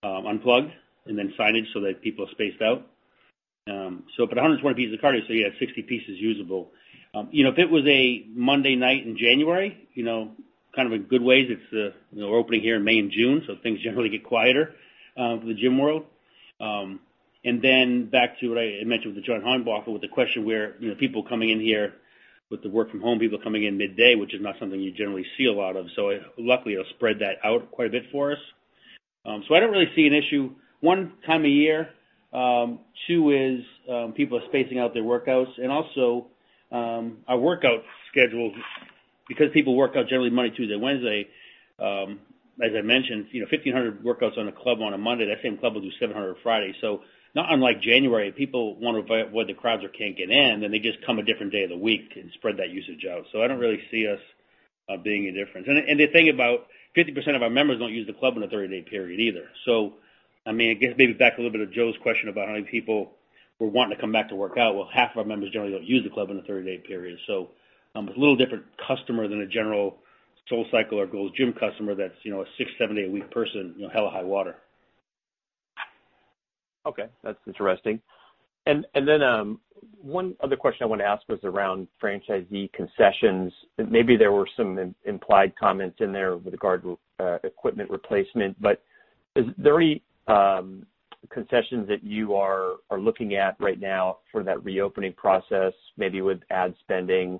Speaker 3: unplugged and then signage so that people are spaced out. 120 pieces of cardio, so you have 60 pieces usable. If it was a Monday night in January, kind of in good ways, we're opening here in May and June, things generally get quieter for the gym world. Back to what I mentioned with John Heinbockel with the question where, people coming in here with the work from home, people coming in midday, which is not something you generally see a lot of. Luckily, it'll spread that out quite a bit for us. I don't really see an issue, one, time of year. Two is, people are spacing out their workouts and also, our workout schedule, because people work out generally Monday, Tuesday, Wednesday. As I mentioned, 1,500 workouts on a club on a Monday, that same club will do 700 on a Friday. Not unlike January, people wonder why the crowds are can't get in, and they just come a different day of the week and spread that usage out. I don't really see us being a difference. The thing about 50% of our members don't use the club in a 30-day period either. I guess maybe back a little bit of Joe's question about how many people were wanting to come back to work out. Well, half of our members generally don't use the club in a 30-day period. A little different customer than a general SoulCycle or Gold's Gym customer that's a six, seven-day-a-week person, hell or high water.
Speaker 9: Okay. That's interesting. One other question I wanted to ask was around franchisee concessions. Maybe there were some implied comments in there with regard to equipment replacement. Is there any concessions that you are looking at right now for that reopening process, maybe with ad spending?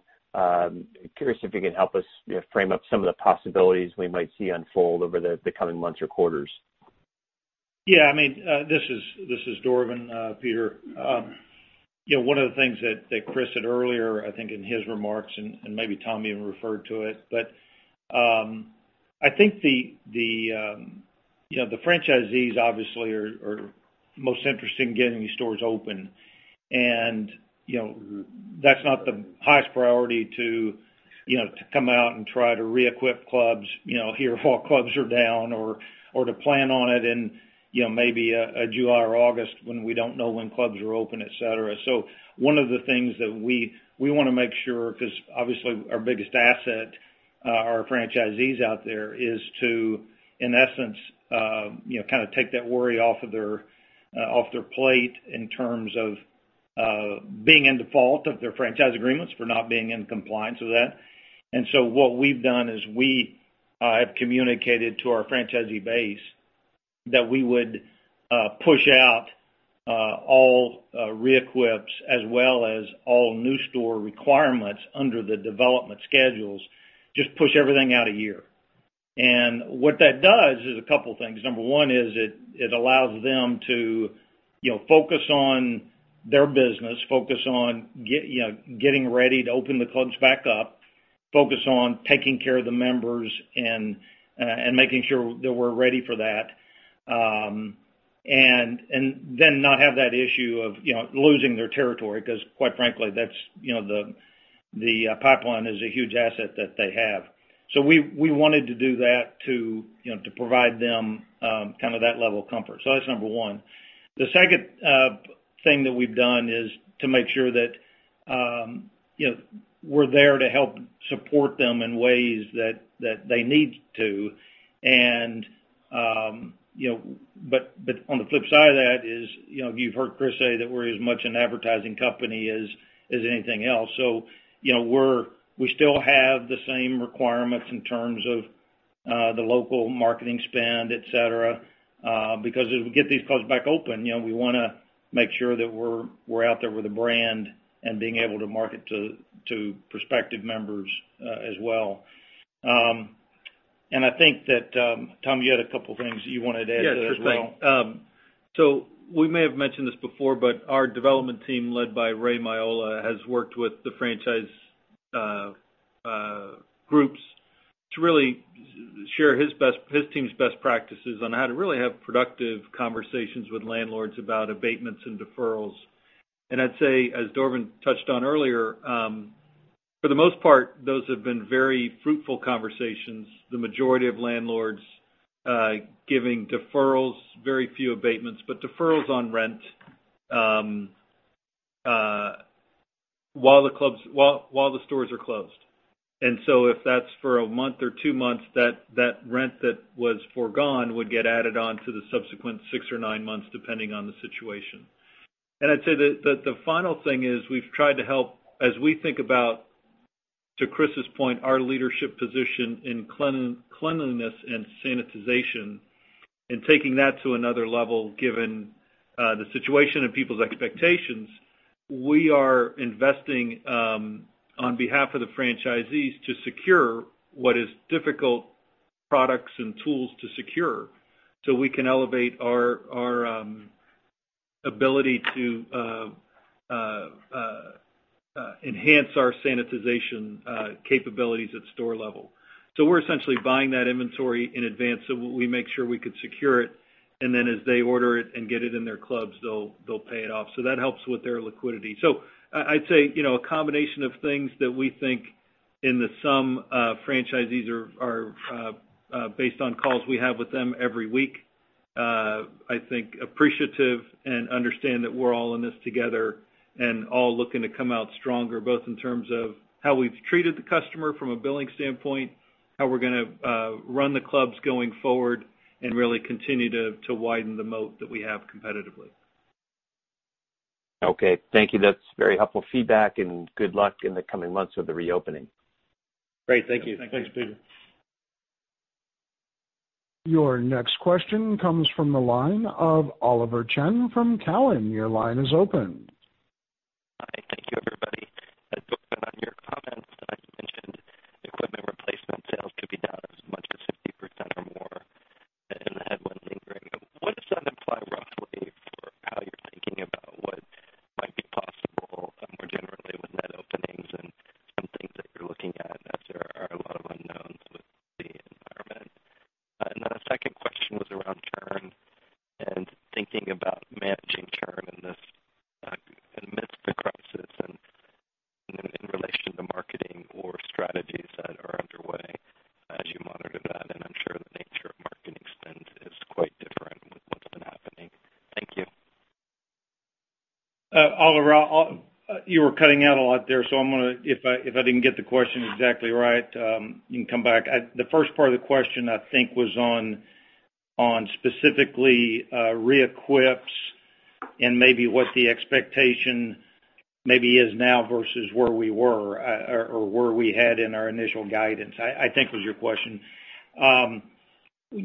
Speaker 9: Curious if you can help us frame up some of the possibilities we might see unfold over the coming months or quarters.
Speaker 4: Yeah. This is Dorvin, Peter. One of the things that Chris said earlier, I think in his remarks, and maybe Tom even referred to it, but I think the franchisees obviously are most interested in getting these stores open. That's not the highest priority to come out and try to re-equip clubs here while clubs are down or to plan on it in maybe a July or August when we don't know when clubs are open, et cetera. One of the things that we want to make sure, because obviously our biggest asset are our franchisees out there, is to, in essence, take that worry off their plate in terms of being in default of their franchise agreements for not being in compliance with that. What we've done is we have communicated to our franchisee base that we would push out all re-equips as well as all new store requirements under the development schedules, just push everything out a year. What that does is a couple things. Number one is it allows them to focus on their business, focus on getting ready to open the clubs back up, focus on taking care of the members and making sure that we're ready for that. Not have that issue of losing their territory, because quite frankly, the pipeline is a huge asset that they have. We wanted to do that to provide them that level of comfort. That's number one. The second thing that we've done is to make sure that we're there to help support them in ways that they need to. On the flip side of that is, you've heard Chris say that we're as much an advertising company as anything else. We still have the same requirements in terms of the local marketing spend, et cetera. As we get these clubs back open, we want to make sure that we're out there with a brand and being able to market to prospective members as well. I think that, Tom, you had a couple things that you wanted to add as well.
Speaker 5: Yeah, sure thing. We may have mentioned this before, but our development team, led by Ray Miolla, has worked with the franchise groups to really share his team's best practices on how to really have productive conversations with landlords about abatements and deferrals. I'd say, as Dorvin touched on earlier, for the most part, those have been very fruitful conversations, the majority of landlords giving deferrals, very few abatements, but deferrals on rent while the stores are closed. If that's for a month or two months, that rent that was forgone would get added on to the subsequent six or nine months, depending on the situation. I'd say that the final thing is we've tried to help as we think about, to Chris's point, our leadership position in cleanliness and sanitization Taking that to another level, given the situation and people's expectations, we are investing on behalf of the franchisees to secure what is difficult products and tools to secure, so we can elevate our ability to enhance our sanitization capabilities at store level. We're essentially buying that inventory in advance, so we make sure we could secure it, and then as they order it and get it in their clubs, they'll pay it off. That helps with their liquidity. I'd say, a combination of things that we think in the sum of franchisees are, based on calls we have with them every week, I think, appreciative and understand that we're all in this together and all looking to come out stronger, both in terms of how we've treated the customer from a billing standpoint, how we're going to run the clubs going forward and really continue to widen the moat that we have competitively.
Speaker 9: Okay. Thank you. That's very helpful feedback, and good luck in the coming months with the reopening.
Speaker 5: Great. Thank you.
Speaker 3: Thanks, Peter.
Speaker 1: Your next question comes from the line of Oliver Chen from Cowen. Your line is open.
Speaker 10: Hi. Thank you, everybody.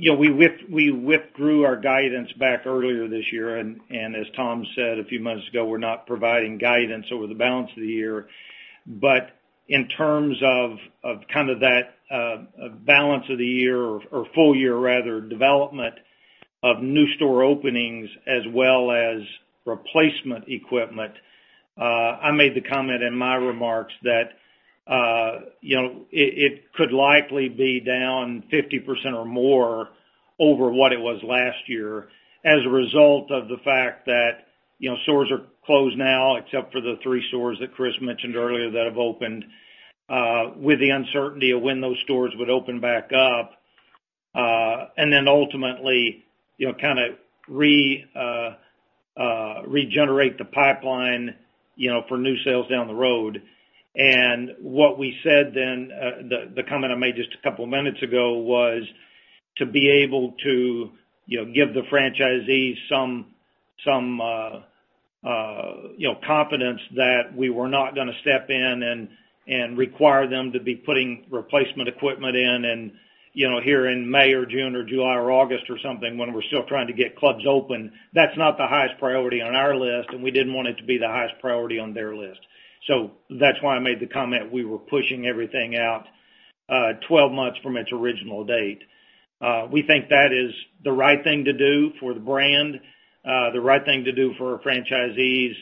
Speaker 5: We withdrew our guidance back earlier this year. As Tom said a few months ago, we're not providing guidance over the balance of the year.
Speaker 4: In terms of that balance of the year or full year rather, development of new store openings as well as replacement equipment, I made the comment in my remarks that it could likely be down 50% or more over what it was last year as a result of the fact that stores are closed now, except for the three stores that Chris mentioned earlier that have opened, with the uncertainty of when those stores would open back up. Ultimately, regenerate the pipeline for new sales down the road. What we said then, the comment I made just a couple of minutes ago, was to be able to give the franchisees some confidence that we were not going to step in and require them to be putting replacement equipment in here in May or June or July or August or something when we're still trying to get clubs open. That's not the highest priority on our list, and we didn't want it to be the highest priority on their list. That's why I made the comment, we were pushing everything out 12 months from its original date. We think that is the right thing to do for the brand, the right thing to do for our franchisees,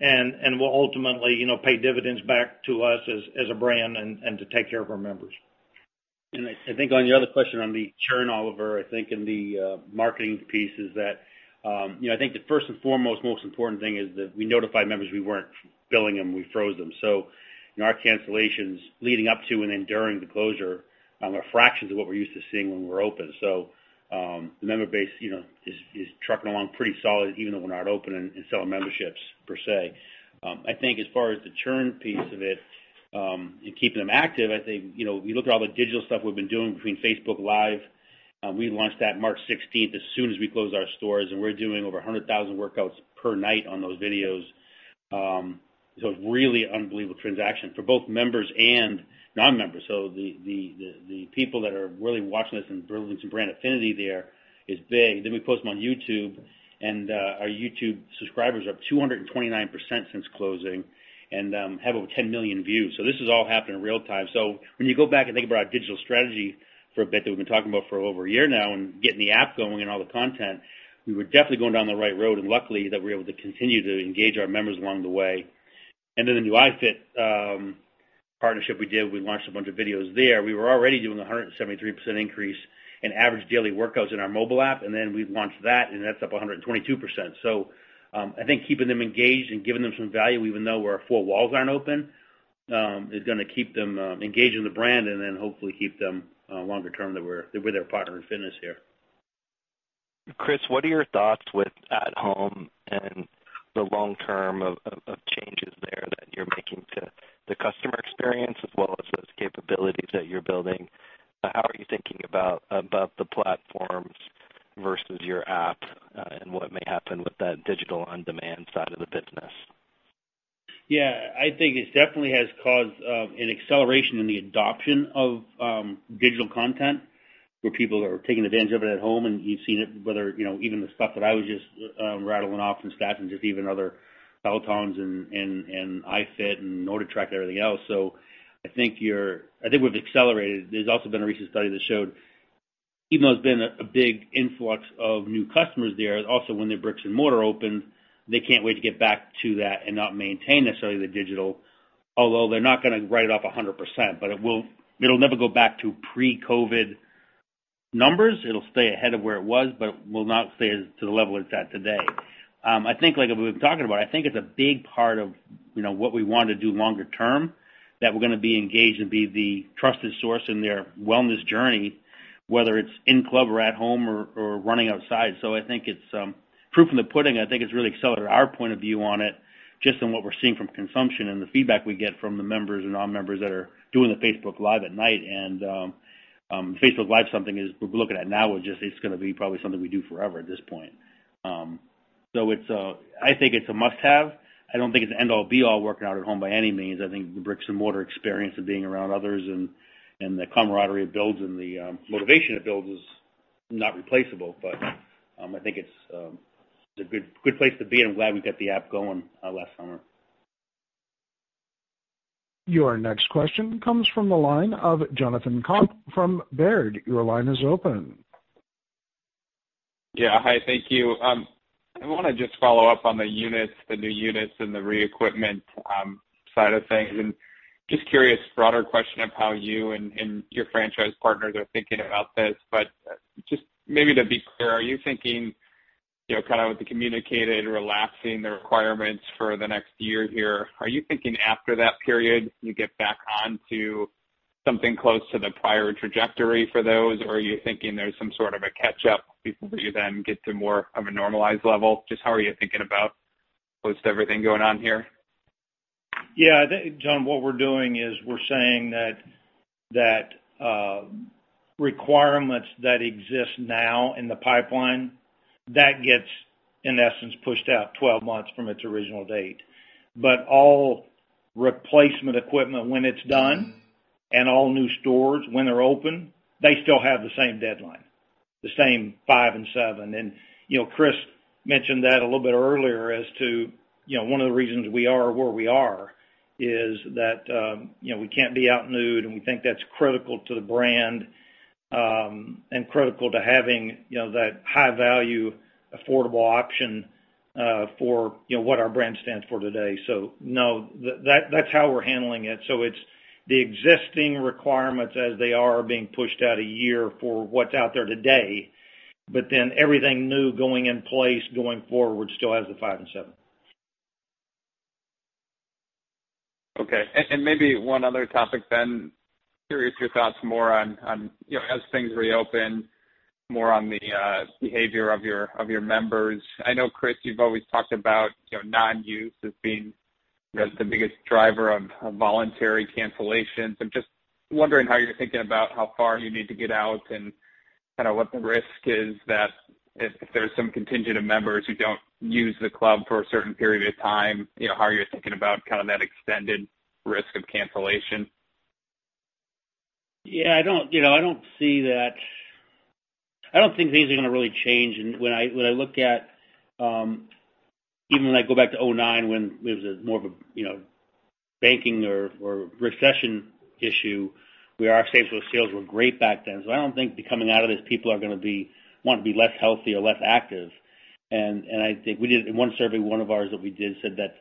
Speaker 4: and will ultimately pay dividends back to us as a brand and to take care of our members.
Speaker 3: I think on your other question on the churn, Oliver, I think in the marketing piece is that, I think the first and foremost most important thing is that we notified members we weren't billing them. We froze them. Our cancellations leading up to and enduring the closure are fractions of what we're used to seeing when we're open. The member base is trucking along pretty solid, even though we're not open and selling memberships per se. I think as far as the churn piece of it, and keeping them active, I think, you look at all the digital stuff we've been doing between Facebook Live. We launched that March 16th, as soon as we closed our stores, and we're doing over 100,000 workouts per night on those videos. It's really unbelievable transaction for both members and non-members. The people that are really watching this and building some brand affinity there is big. We post them on YouTube, and our YouTube subscribers are up 229% since closing and have over 10 million views. This is all happening in real time. When you go back and think about our digital strategy for a bit that we've been talking about for over a year now and getting the app going and all the content, we were definitely going down the right road, and luckily that we were able to continue to engage our members along the way. The new iFIT partnership we did, we launched a bunch of videos there. We were already doing 173% increase in average daily workouts in our mobile app, and then we launched that, and that's up 122%. I think keeping them engaged and giving them some value, even though our four walls aren't open, is going to keep them engaged in the brand and then hopefully keep them longer-term that we're their partner in fitness here.
Speaker 10: Chris, what are your thoughts with at-home and the long-term of changes there that you're making to the customer experience as well as those capabilities that you're building? How are you thinking about the platforms versus your app and what may happen with that digital on-demand side of the business?
Speaker 3: Yeah, I think it definitely has caused an acceleration in the adoption of digital content, where people are taking advantage of it at home, and you've seen it, whether even the stuff that I was just rattling off from Staff and just even other Peloton and iFIT and NordicTrack and everything else. I think we've accelerated. There's also been a recent study that showed even though there's been a big influx of new customers there, also when their bricks and mortar open, they can't wait to get back to that and not maintain necessarily the digital, although they're not going to write it off 100%. It'll never go back to pre-COVID numbers. It'll stay ahead of where it was, will not stay to the level it's at today. I think like what we've been talking about, I think it's a big part of what we want to do longer-term, that we're going to be engaged and be the trusted source in their wellness journey, whether it's in-club or at home or running outside. I think it's proof in the pudding. I think it's really accelerated our point of view on it, just on what we're seeing from consumption and the feedback we get from the members and non-members that are doing the Facebook Live at night. Facebook Live is something we're looking at now as just it's going to be probably something we do forever at this point. I think it's a must-have. I don't think it's the end-all, be-all working out at home by any means. I think the bricks and mortar experience of being around others and the camaraderie it builds and the motivation it builds is not replaceable. I think it's a good place to be, and I'm glad we got the app going last summer.
Speaker 1: Your next question comes from the line of Jonathan Komp from Baird. Your line is open.
Speaker 11: Yeah. Hi, thank you. I want to just follow up on the new units and the re-equipment side of things, and just curious broader question of how you and your franchise partners are thinking about this. Just maybe to be clear, are you thinking, with the communicated relaxing the requirements for the next year here, are you thinking after that period, you get back on to something close to the prior trajectory for those? Are you thinking there's some sort of a catch-up before you then get to more of a normalized level? Just how are you thinking about post everything going on here?
Speaker 4: Yeah, I think, John, what we're doing is we're saying that requirements that exist now in the pipeline, that gets, in essence, pushed out 12 months from its original date. All replacement equipment when it's done and all new stores when they're open, they still have the same deadline, the same five and seven. Chris mentioned that a little bit earlier as to one of the reasons we are where we are is that we can't be out-newed, and we think that's critical to the brand and critical to having that high-value, affordable option for what our brand stands for today. No, that's how we're handling it. It's the existing requirements as they are being pushed out a year for what's out there today, but then everything new going in place going forward still has the five and seven.
Speaker 11: Okay. Maybe one other topic then. Curious your thoughts more on as things reopen, more on the behavior of your members? I know, Chris, you've always talked about non-use as being the biggest driver of voluntary cancellations. I'm just wondering how you're thinking about how far you need to get out and what the risk is that if there's some contingent of members who don't use the club for a certain period of time, how are you thinking about that extended risk of cancellation?
Speaker 3: Yeah, I don't think things are going to really change. When I look at, even when I go back to 2009, when it was more of a banking or recession issue, where our same-store sales were great back then. I don't think becoming out of this, people are going to want to be less healthy or less active. I think in one survey, one of ours that we did said that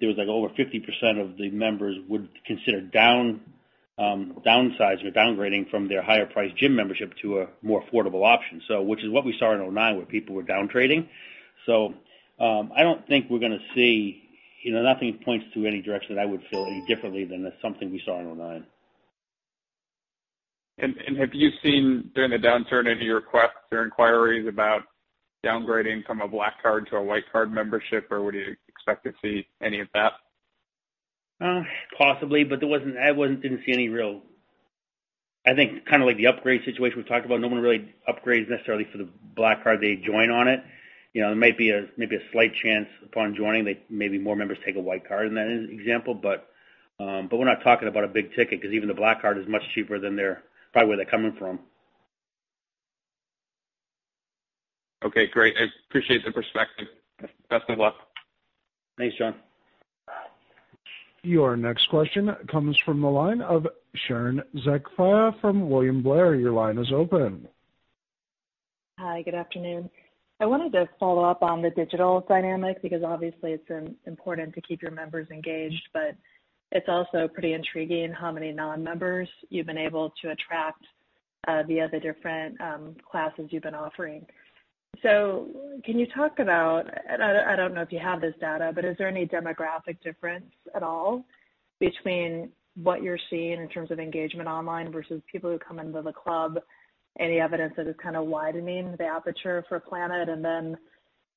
Speaker 3: there was over 50% of the members would consider downsizing or downgrading from their higher priced gym membership to a more affordable option. Which is what we saw in 2009, where people were down trading. I don't think we're going to see nothing points to any direction that I would feel any differently than something we saw in 2009.
Speaker 11: Have you seen during the downturn any requests or inquiries about downgrading from a Black Card to a Classic Card membership, or would you expect to see any of that?
Speaker 3: Possibly. I think like the upgrade situation we talked about, no one really upgrades necessarily for the Black Card. They join on it. There might be a slight chance upon joining, maybe more members take a Classic Card in that example. We're not talking about a big ticket because even the Black Card is much cheaper than probably where they're coming from.
Speaker 11: Okay, great. I appreciate the perspective. Best of luck.
Speaker 3: Thanks, John.
Speaker 1: Your next question comes from the line of Sharon Zackfia from William Blair. Your line is open.
Speaker 12: Hi, good afternoon. I wanted to follow up on the digital dynamic because obviously it's important to keep your members engaged, but it's also pretty intriguing how many non-members you've been able to attract via the different classes you've been offering. Can you talk about, and I don't know if you have this data, but is there any demographic difference at all between what you're seeing in terms of engagement online versus people who come into the club? Any evidence that is kind of widening the aperture for Planet?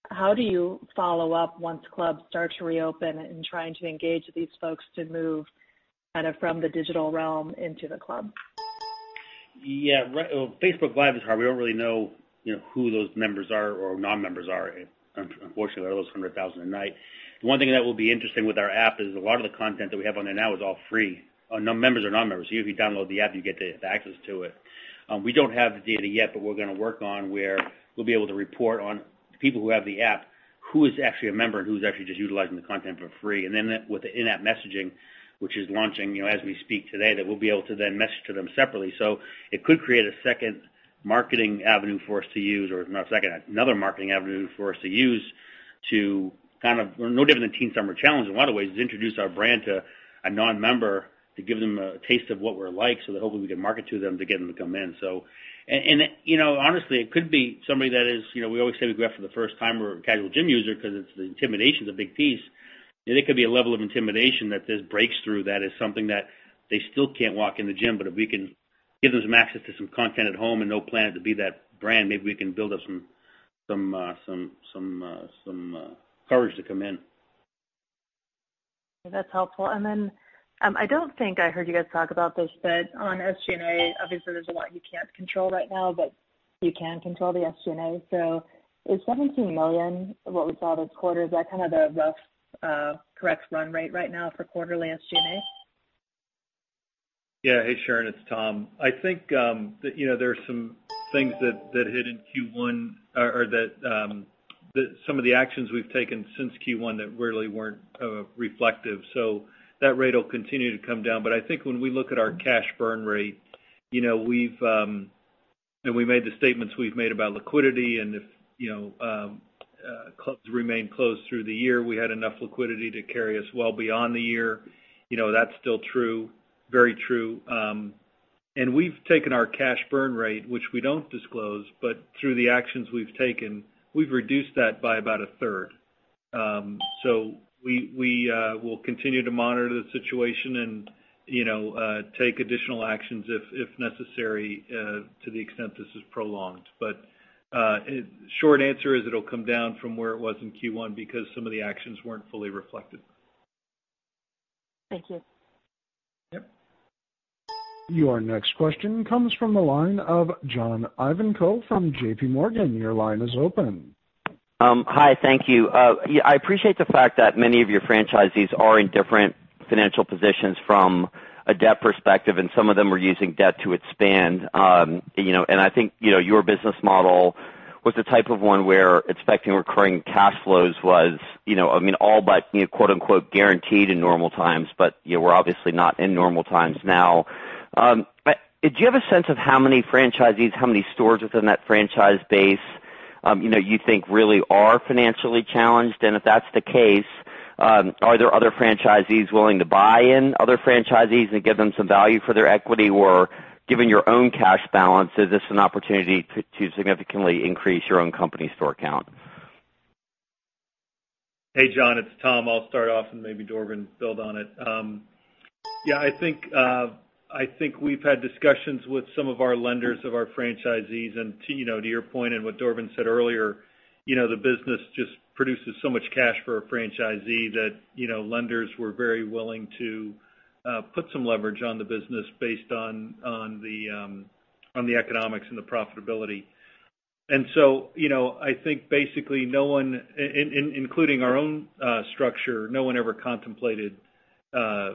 Speaker 12: How do you follow up once clubs start to reopen in trying to engage these folks to move from the digital realm into the club?
Speaker 3: Yeah. Facebook Live is hard. We don't really know who those members are or non-members are, unfortunately, out of those 100,000 a night. One thing that will be interesting with our app is a lot of the content that we have on there now is all free. Members or non-members, if you download the app, you get the access to it. We don't have the data yet, but we're going to work on where we'll be able to report on people who have the app, who is actually a member and who's actually just utilizing the content for free. With the in-app messaging, which is launching as we speak today, that we'll be able to then message to them separately. It could create a second marketing avenue for us to use or not second, another marketing avenue for us to use to, no different than Teen Summer Challenge in a lot of ways, is introduce our brand to a non-member to give them a taste of what we're like so that hopefully we can market to them to get them to come in. Honestly, it could be somebody that we always say we go after the first timer or casual gym user because the intimidation is a big piece. It could be a level of intimidation that this breaks through that is something that they still can't walk in the gym, but if we can give them some access to some content at home and know Planet to be that brand, maybe we can build up some courage to come in.
Speaker 12: That's helpful. Then, I don't think I heard you guys talk about this, but on SG&A, obviously there's a lot you can't control right now, but you can control the SG&A. Is $17 million what we saw this quarter, is that kind of the rough, correct run rate right now for quarterly SG&A?
Speaker 5: Yeah. Hey, Sharon, it's Tom. I think there are some things that hit in Q1 or that some of the actions we've taken since Q1 that really weren't reflective. That rate will continue to come down. I think when we look at our cash burn rate, and we made the statements we've made about liquidity, and if clubs remain closed through the year, we had enough liquidity to carry us well beyond the year. That's still true, very true. We've taken our cash burn rate, which we don't disclose, but through the actions we've taken, we've reduced that by about a third. We will continue to monitor the situation and take additional actions if necessary to the extent this is prolonged. Short answer is it'll come down from where it was in Q1 because some of the actions weren't fully reflected.
Speaker 12: Thank you.
Speaker 5: Yep.
Speaker 1: Your next question comes from the line of John Ivankoe from JPMorgan. Your line is open.
Speaker 13: Hi. Thank you. I appreciate the fact that many of your franchisees are in different financial positions from a debt perspective, some of them were using debt to expand. I think your business model was the type of one where expecting recurring cash flows was, all but, quote unquote, "guaranteed" in normal times. We're obviously not in normal times now. Do you have a sense of how many franchisees, how many stores within that franchise base you think really are financially challenged? If that's the case, are there other franchisees willing to buy in other franchisees and give them some value for their equity? Given your own cash balance, is this an opportunity to significantly increase your own company store count?
Speaker 5: Hey, John, it's Tom. I'll start off and maybe Dorvin build on it. Yeah, I think we've had discussions with some of our lenders of our franchisees. To your point and what Dorvin said earlier, the business just produces so much cash for a franchisee that lenders were very willing to put some leverage on the business based on the economics and the profitability. I think basically no one, including our own structure, no one ever contemplated a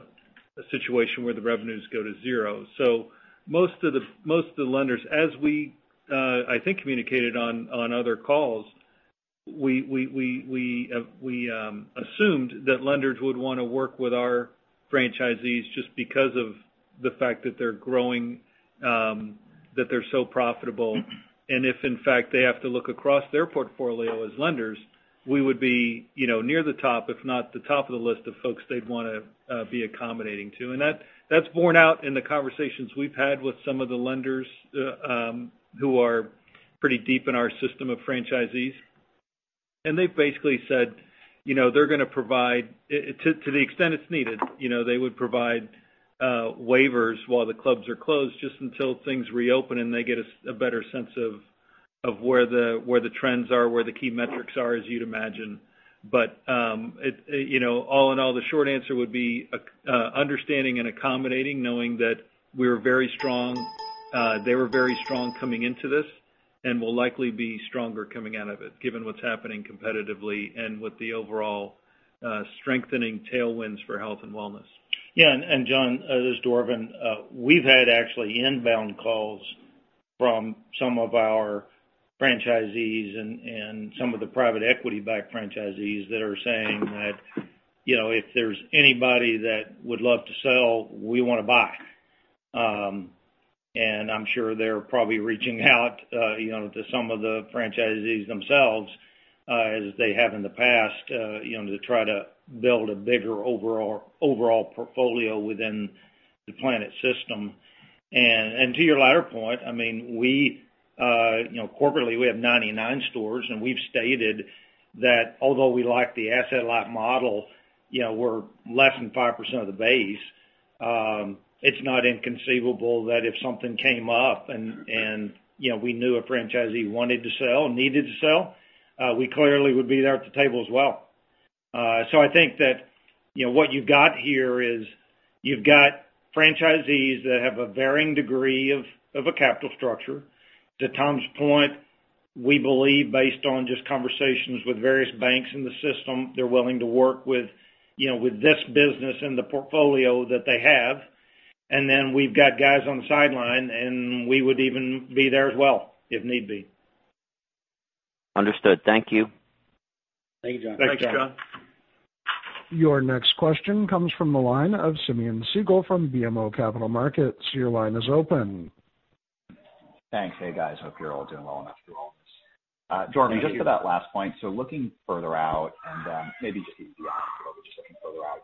Speaker 5: situation where the revenues go to zero. Most of the lenders, as we, I think communicated on other calls, we assumed that lenders would want to work with our franchisees just because of the fact that they're growing, that they're so profitable. If in fact, they have to look across their portfolio as lenders, we would be near the top, if not the top of the list of folks they'd want to be accommodating to. That's borne out in the conversations we've had with some of the lenders who are pretty deep in our system of franchisees. They've basically said they're going to provide, to the extent it's needed, they would provide waivers while the clubs are closed just until things reopen and they get a better sense of where the trends are, where the key metrics are, as you'd imagine. All in all, the short answer would be understanding and accommodating, knowing that they were very strong coming into this and will likely be stronger coming out of it, given what's happening competitively and with the overall strengthening tailwinds for health and wellness.
Speaker 4: Yeah. John, this is Dorvin. We've had actually inbound calls from some of our franchisees and some of the private equity-backed franchisees that are saying that if there's anybody that would love to sell, we want to buy. I'm sure they're probably reaching out to some of the franchisees themselves as they have in the past to try to build a bigger overall portfolio within the Planet system. To your latter point, corporately, we have 99 stores, and we've stated that although we like the asset-light model, we're less than 5% of the base. It's not inconceivable that if something came up and we knew a franchisee wanted to sell, needed to sell, we clearly would be there at the table as well. I think that what you've got here is, you've got franchisees that have a varying degree of a capital structure. To Tom's point, we believe, based on just conversations with various banks in the system, they're willing to work with this business and the portfolio that they have. We've got guys on the sideline, and we would even be there as well, if need be.
Speaker 13: Understood. Thank you.
Speaker 3: Thank you, John.
Speaker 4: Thanks, John.
Speaker 1: Your next question comes from the line of Simeon Siegel from BMO Capital Markets. Your line is open.
Speaker 14: Thanks. Hey, guys. Hope you're all doing well enough through all this. Dorvin, just to that last point, looking further out,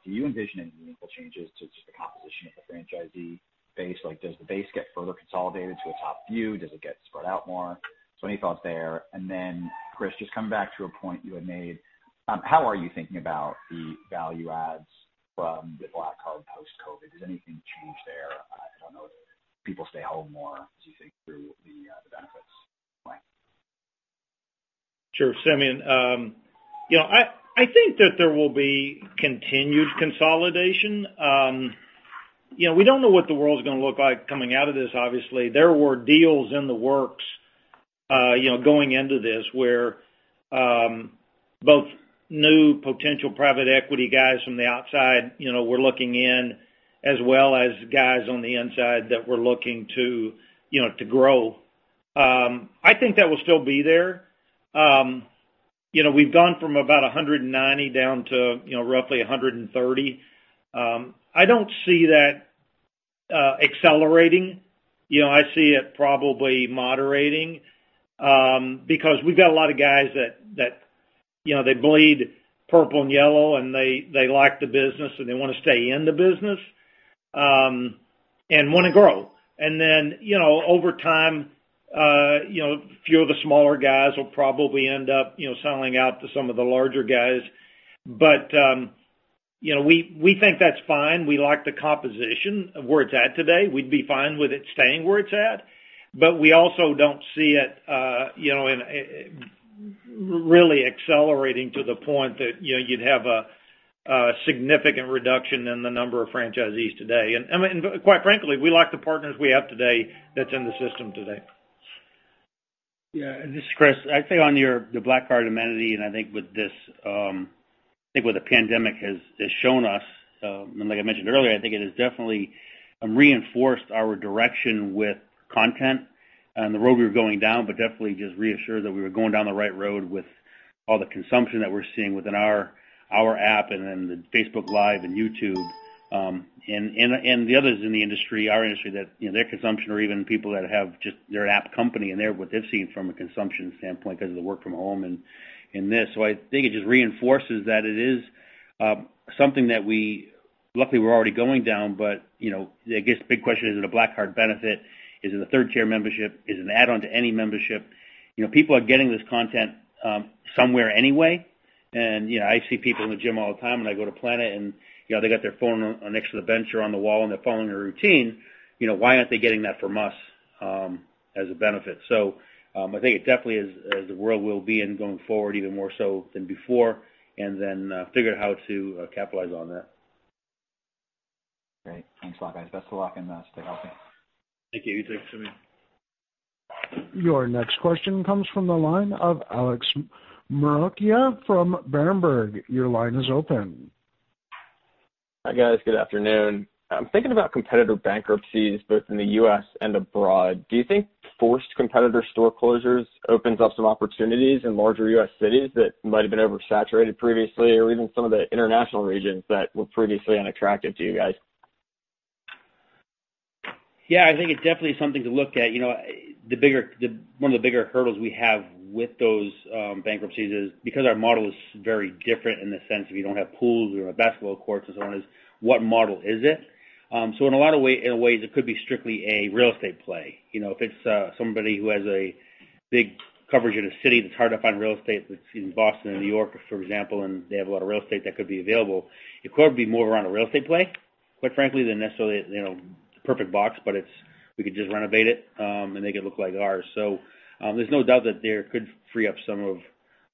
Speaker 14: do you envision any meaningful changes to just the composition of the franchisee base? Does the base get further consolidated to a top few? Does it get spread out more? Any thoughts there, Chris, just coming back to a point you had made, how are you thinking about the value adds from the Black Card post-COVID? Does anything change there? I don't know if people stay home more as you think through the benefits.
Speaker 4: Sure, Simeon. I think that there will be continued consolidation. We don't know what the world's going to look like coming out of this, obviously. There were deals in the works, going into this, where both new potential private equity guys from the outside, were looking in, as well as guys on the inside that were looking to grow. I think that will still be there. We've gone from about 190 down to roughly 130. I don't see that accelerating. I see it probably moderating, because we've got a lot of guys that bleed purple and yellow, and they like the business, and they want to stay in the business, and want to grow. Then, over time, a few of the smaller guys will probably end up selling out to some of the larger guys. We think that's fine. We like the composition of where it's at today. We'd be fine with it staying where it's at. We also don't see it really accelerating to the point that you'd have a significant reduction in the number of franchisees today. Quite frankly, we like the partners we have today that's in the system today.
Speaker 3: Yeah, this is Chris. I think on the Black Card amenity, I think what the pandemic has shown us, and like I mentioned earlier, I think it has definitely reinforced our direction with content and the road we were going down, but definitely just reassured that we were going down the right road with all the consumption that we're seeing within our app and then the Facebook Live and YouTube. The others in the industry, our industry, their consumption or even people that have just their app company and what they've seen from a consumption standpoint because of the work from home and this. I think it just reinforces that it is something that we luckily were already going down. I guess the big question, is it a Black Card benefit? Is it a third-tier membership? Is it an add-on to any membership? People are getting this content somewhere anyway. I see people in the gym all the time when I go to Planet and they got their phone next to the bench or on the wall, and they're following a routine. Why aren't they getting that from us as a benefit? I think it definitely is the world we'll be in going forward, even more so than before, and then figuring out how to capitalize on that.
Speaker 14: Great. Thanks a lot, guys. Best of luck and stay healthy.
Speaker 3: Thank you. You too, Simeon.
Speaker 1: Your next question comes from the line of Alex Maroccia from Berenberg. Your line is open.
Speaker 15: Hi, guys. Good afternoon. I'm thinking about competitor bankruptcies both in the U.S. and abroad. Do you think forced competitor store closures opens up some opportunities in larger U.S. cities that might have been oversaturated previously or even some of the international regions that were previously unattractive to you guys?
Speaker 3: Yeah, I think it's definitely something to look at. One of the bigger hurdles we have with those bankruptcies is because our model is very different in the sense that we don't have pools or basketball courts and so on, is what model is it? In a lot of ways, it could be strictly a real estate play. If it's somebody who has a big coverage in a city that's hard up on real estate, in Boston or New York, for example, and they have a lot of real estate that could be available, it could be more around a real estate play, quite frankly, than necessarily, a perfect box, but we could just renovate it, and make it look like ours. There's no doubt that there could free up some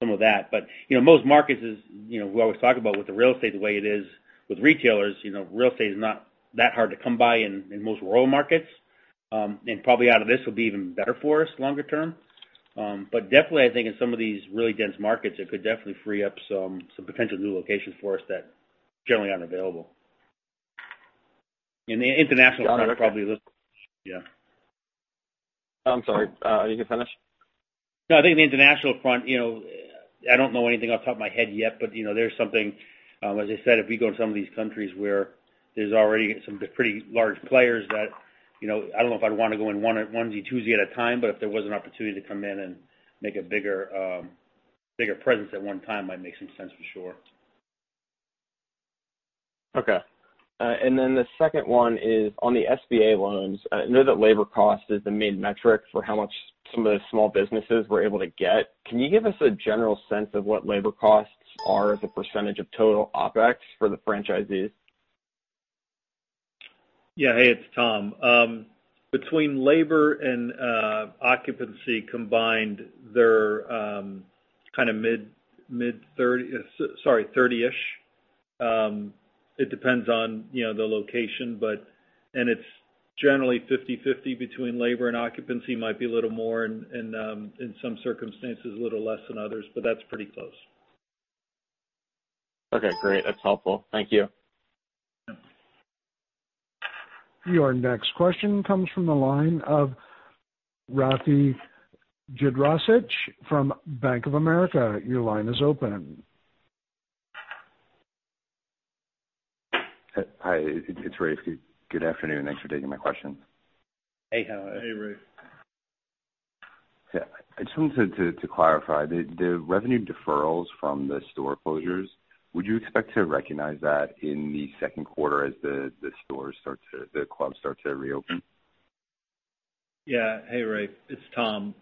Speaker 3: of that. Most markets, we always talk about with the real estate the way it is with retailers, real estate is not that hard to come by in most rural markets. Probably out of this will be even better for us longer-term. Definitely I think in some of these really dense markets, it could definitely free up some potential new locations for us that generally aren't available. In the international front, it probably looks.
Speaker 15: I'm sorry. You can finish.
Speaker 3: I think in the international front, I don't know anything off the top of my head yet, but there's something, as I said, if we go to some of these countries where there's already some pretty large players that, I don't know if I'd want to go in onesie, twosie at a time, but if there was an opportunity to come in and make a bigger presence at one time, might make some sense for sure.
Speaker 15: Okay. The second one is on the SBA loans. I know that labor cost is the main metric for how much some of the small businesses were able to get. Can you give us a general sense of what labor costs are as a percentage of total OpEx for the franchisees?
Speaker 5: Yeah. Hey, it's Tom. Between labor and occupancy combined, they're 30-ish. It depends on the location. It's generally 50/50 between labor and occupancy, might be a little more in some circumstances, a little less than others, but that's pretty close.
Speaker 15: Okay, great. That's helpful. Thank you.
Speaker 1: Your next question comes from the line of Rafe Jadrosich from Bank of America. Your line is open.
Speaker 16: Hi, it's Rafe. Good afternoon. Thanks for taking my question.
Speaker 5: Hey. How are you?
Speaker 3: Hey, Rafe.
Speaker 16: Yeah. I just wanted to clarify. The revenue deferrals from the store closures, would you expect to recognize that in the second quarter as the clubs start to reopen?
Speaker 5: Hey, Rafe. It's Tom.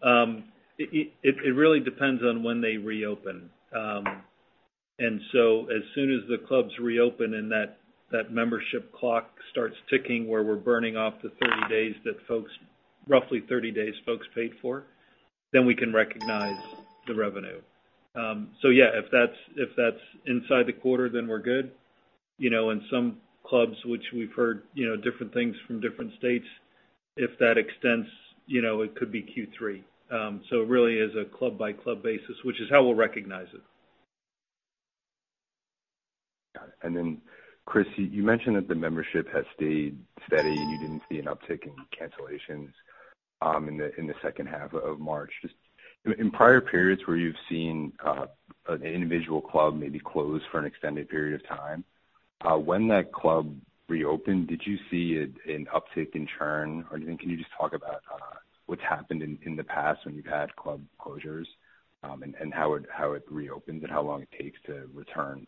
Speaker 5: It really depends on when they reopen. As soon as the clubs reopen and that membership clock starts ticking, where we're burning off the 30 days that folks, roughly 30 days folks paid for, then we can recognize the revenue. Yeah, if that's inside the quarter, then we're good. In some clubs, which we've heard different things from different states, if that extends, it could be Q3. It really is a club-by-club basis, which is how we'll recognize it.
Speaker 16: Got it. Chris, you mentioned that the membership has stayed steady, and you didn't see an uptick in cancellations in the second half of March. Just in prior periods where you've seen an individual club maybe close for an extended period of time, when that club reopened, did you see an uptick in churn, or can you just talk about what's happened in the past when you've had club closures? How it reopens and how long it takes to return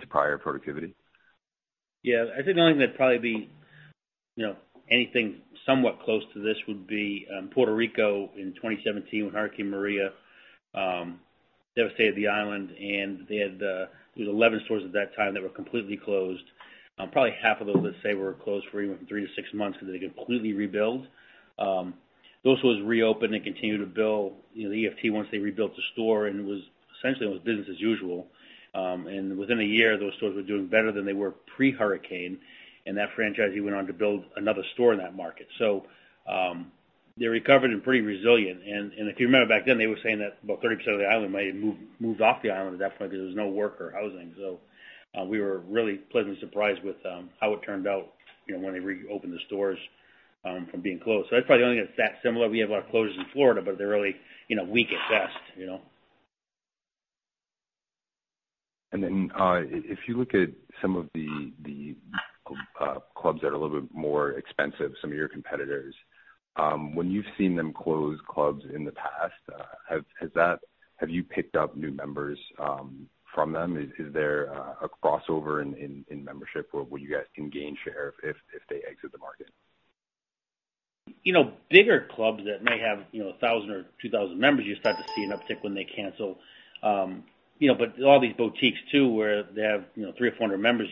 Speaker 16: to prior productivity?
Speaker 3: Yeah. I think the only thing that'd probably be anything somewhat close to this would be Puerto Rico in 2017 when Hurricane Maria devastated the island, and they had 11 stores at that time that were completely closed. Probably half of those, let's say, were closed for even three to six months because they had to completely rebuild. Those stores reopened and continued to bill the EFT once they rebuilt the store, and essentially it was business as usual. Within a year, those stores were doing better than they were pre-hurricane. That franchisee went on to build another store in that market. They recovered and pretty resilient. If you remember back then, they were saying that about 30% of the island might have moved off the island at that point because there was no work or housing. We were really pleasantly surprised with how it turned out when they reopened the stores from being closed. That's probably the only thing that's that similar. We have a lot of closures in Florida, but they're really weak at best.
Speaker 16: If you look at some of the clubs that are a little bit more expensive, some of your competitors, when you've seen them close clubs in the past, have you picked up new members from them? Is there a crossover in membership, or will you guys gain share if they exit the market?
Speaker 3: Bigger clubs that may have 1,000 or 2,000 members, you start to see an uptick when they cancel. All these boutiques too, where they have 300 or 400 members,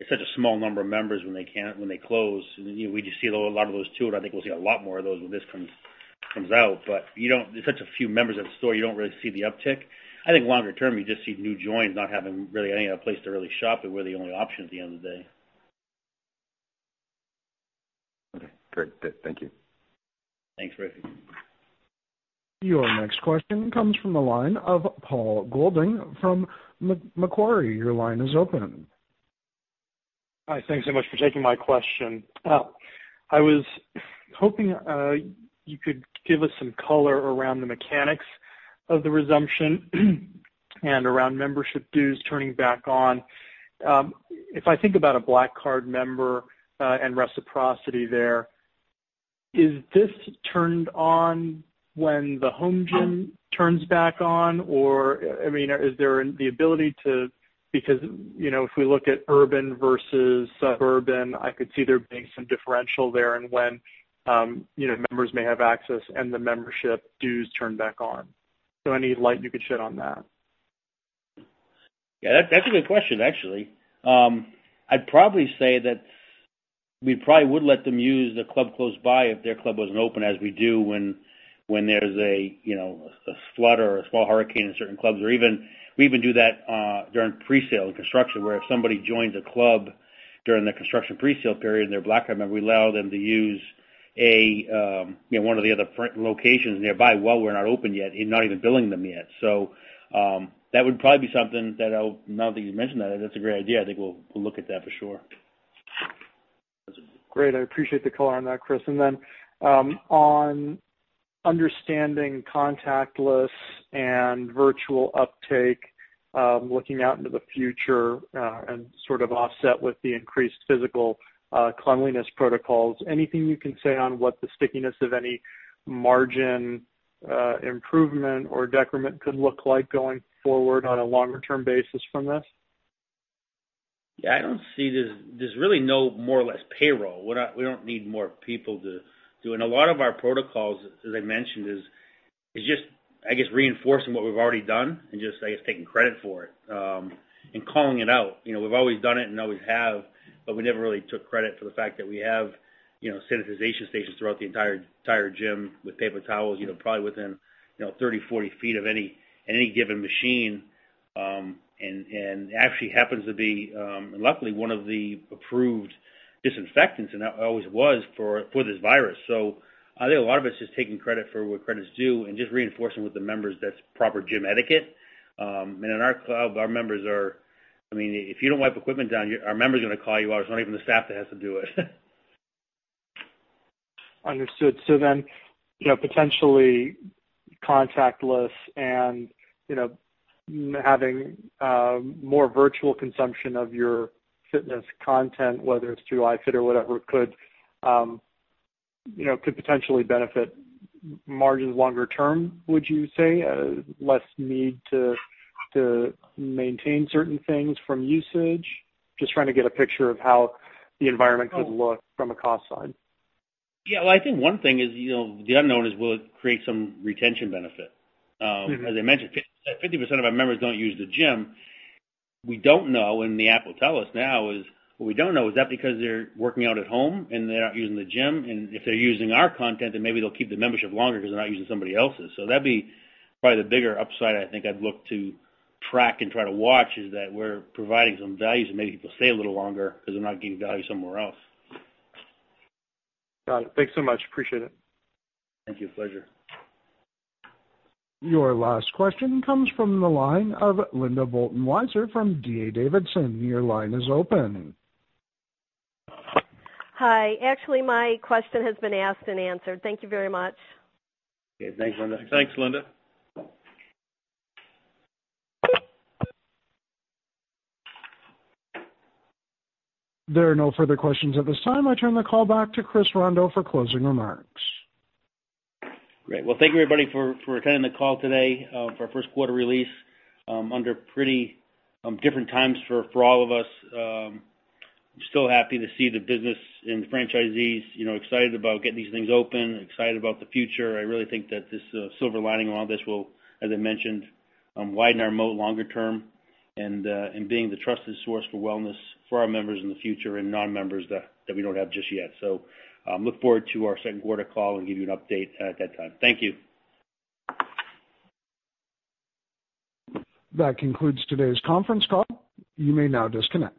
Speaker 3: it's such a small number of members when they close. We just see a lot of those too, and I think we'll see a lot more of those when this comes out. It's such a few members of the store, you don't really see the uptick. I think longer-term, you just see new joins not having really any place to really shop, and we're the only option at the end of the day.
Speaker 16: Okay, great. Thank you.
Speaker 3: Thanks, Rafe.
Speaker 1: Your next question comes from the line of Paul Golding from Macquarie. Your line is open.
Speaker 17: Hi. Thank you so much for taking my question. I was hoping you could give us some color around the mechanics of the resumption and around membership dues turning back on. If I think about a Black Card member and reciprocity there, is this turned on when the home gym turns back on, or is there the ability to, if we look at urban versus suburban, I could see there being some differential there in when members may have access and the membership dues turn back on. Any light you could shed on that?
Speaker 3: Yeah, that's a good question, actually. I'd probably say that we probably would let them use the club close by if their club wasn't open, as we do when there's a flood or a small hurricane in certain clubs. We even do that during presale and construction, where if somebody joins a club during the construction presale period and they're a Black Card member, we allow them to use one of the other locations nearby while we're not open yet and not even billing them yet. That would probably be something that now that you mentioned that's a great idea. I think we'll look at that for sure.
Speaker 17: Great. I appreciate the color on that, Chris. On understanding contactless and virtual uptake, looking out into the future, and sort of offset with the increased physical cleanliness protocols, anything you can say on what the stickiness of any margin improvement or decrement could look like going forward on a longer-term basis from this?
Speaker 3: Yeah, there's really no more or less payroll. We don't need more people to do. A lot of our protocols, as I mentioned, It's just, I guess, reinforcing what we've already done and just taking credit for it, and calling it out. We've always done it and always have, but we never really took credit for the fact that we have sanitization stations throughout the entire gym with paper towels, probably within 30, 40 feet of any given machine. It actually happens to be, luckily, one of the approved disinfectants, and always was, for this virus. I think a lot of it's just taking credit for what credit's due and just reinforcing with the members that's proper gym etiquette. In our club, if you don't wipe equipment down, our members are going to call you out. It's not even the staff that has to do it.
Speaker 17: Understood. Potentially contactless and having more virtual consumption of your fitness content, whether it's through iFIT or whatever, could potentially benefit margins longer-term, would you say? Less need to maintain certain things from usage? Just trying to get a picture of how the environment could look from a cost side.
Speaker 3: Yeah. Well, I think one thing is, the unknown is, will it create some retention benefit? As I mentioned, 50% of our members don't use the gym. We don't know, and the app will tell us now, is what we don't know is that because they're working out at home and they're not using the gym? If they're using our content, then maybe they'll keep the membership longer because they're not using somebody else's. That'd be probably the bigger upside I think I'd look to track and try to watch, is that we're providing some value, so maybe people stay a little longer because they're not getting value somewhere else.
Speaker 17: Got it. Thanks so much. Appreciate it.
Speaker 3: Thank you. Pleasure.
Speaker 1: Your last question comes from the line of Linda Bolton Weiser from D.A. Davidson. Your line is open.
Speaker 18: Hi. Actually, my question has been asked and answered. Thank you very much.
Speaker 3: Okay. Thanks, Linda.
Speaker 5: Thanks, Linda.
Speaker 1: There are no further questions at this time. I turn the call back to Chris Rondeau for closing remarks.
Speaker 3: Great. Well, thank you everybody for attending the call today for our first quarter release under pretty different times for all of us. I'm still happy to see the business and the franchisees excited about getting these things open, excited about the future. I really think that this silver lining around this will, as I mentioned, widen our moat longer-term and being the trusted source for wellness for our members in the future and non-members that we don't have just yet. Look forward to our second quarter call and give you an update at that time. Thank you.
Speaker 1: That concludes today's conference call. You may now disconnect.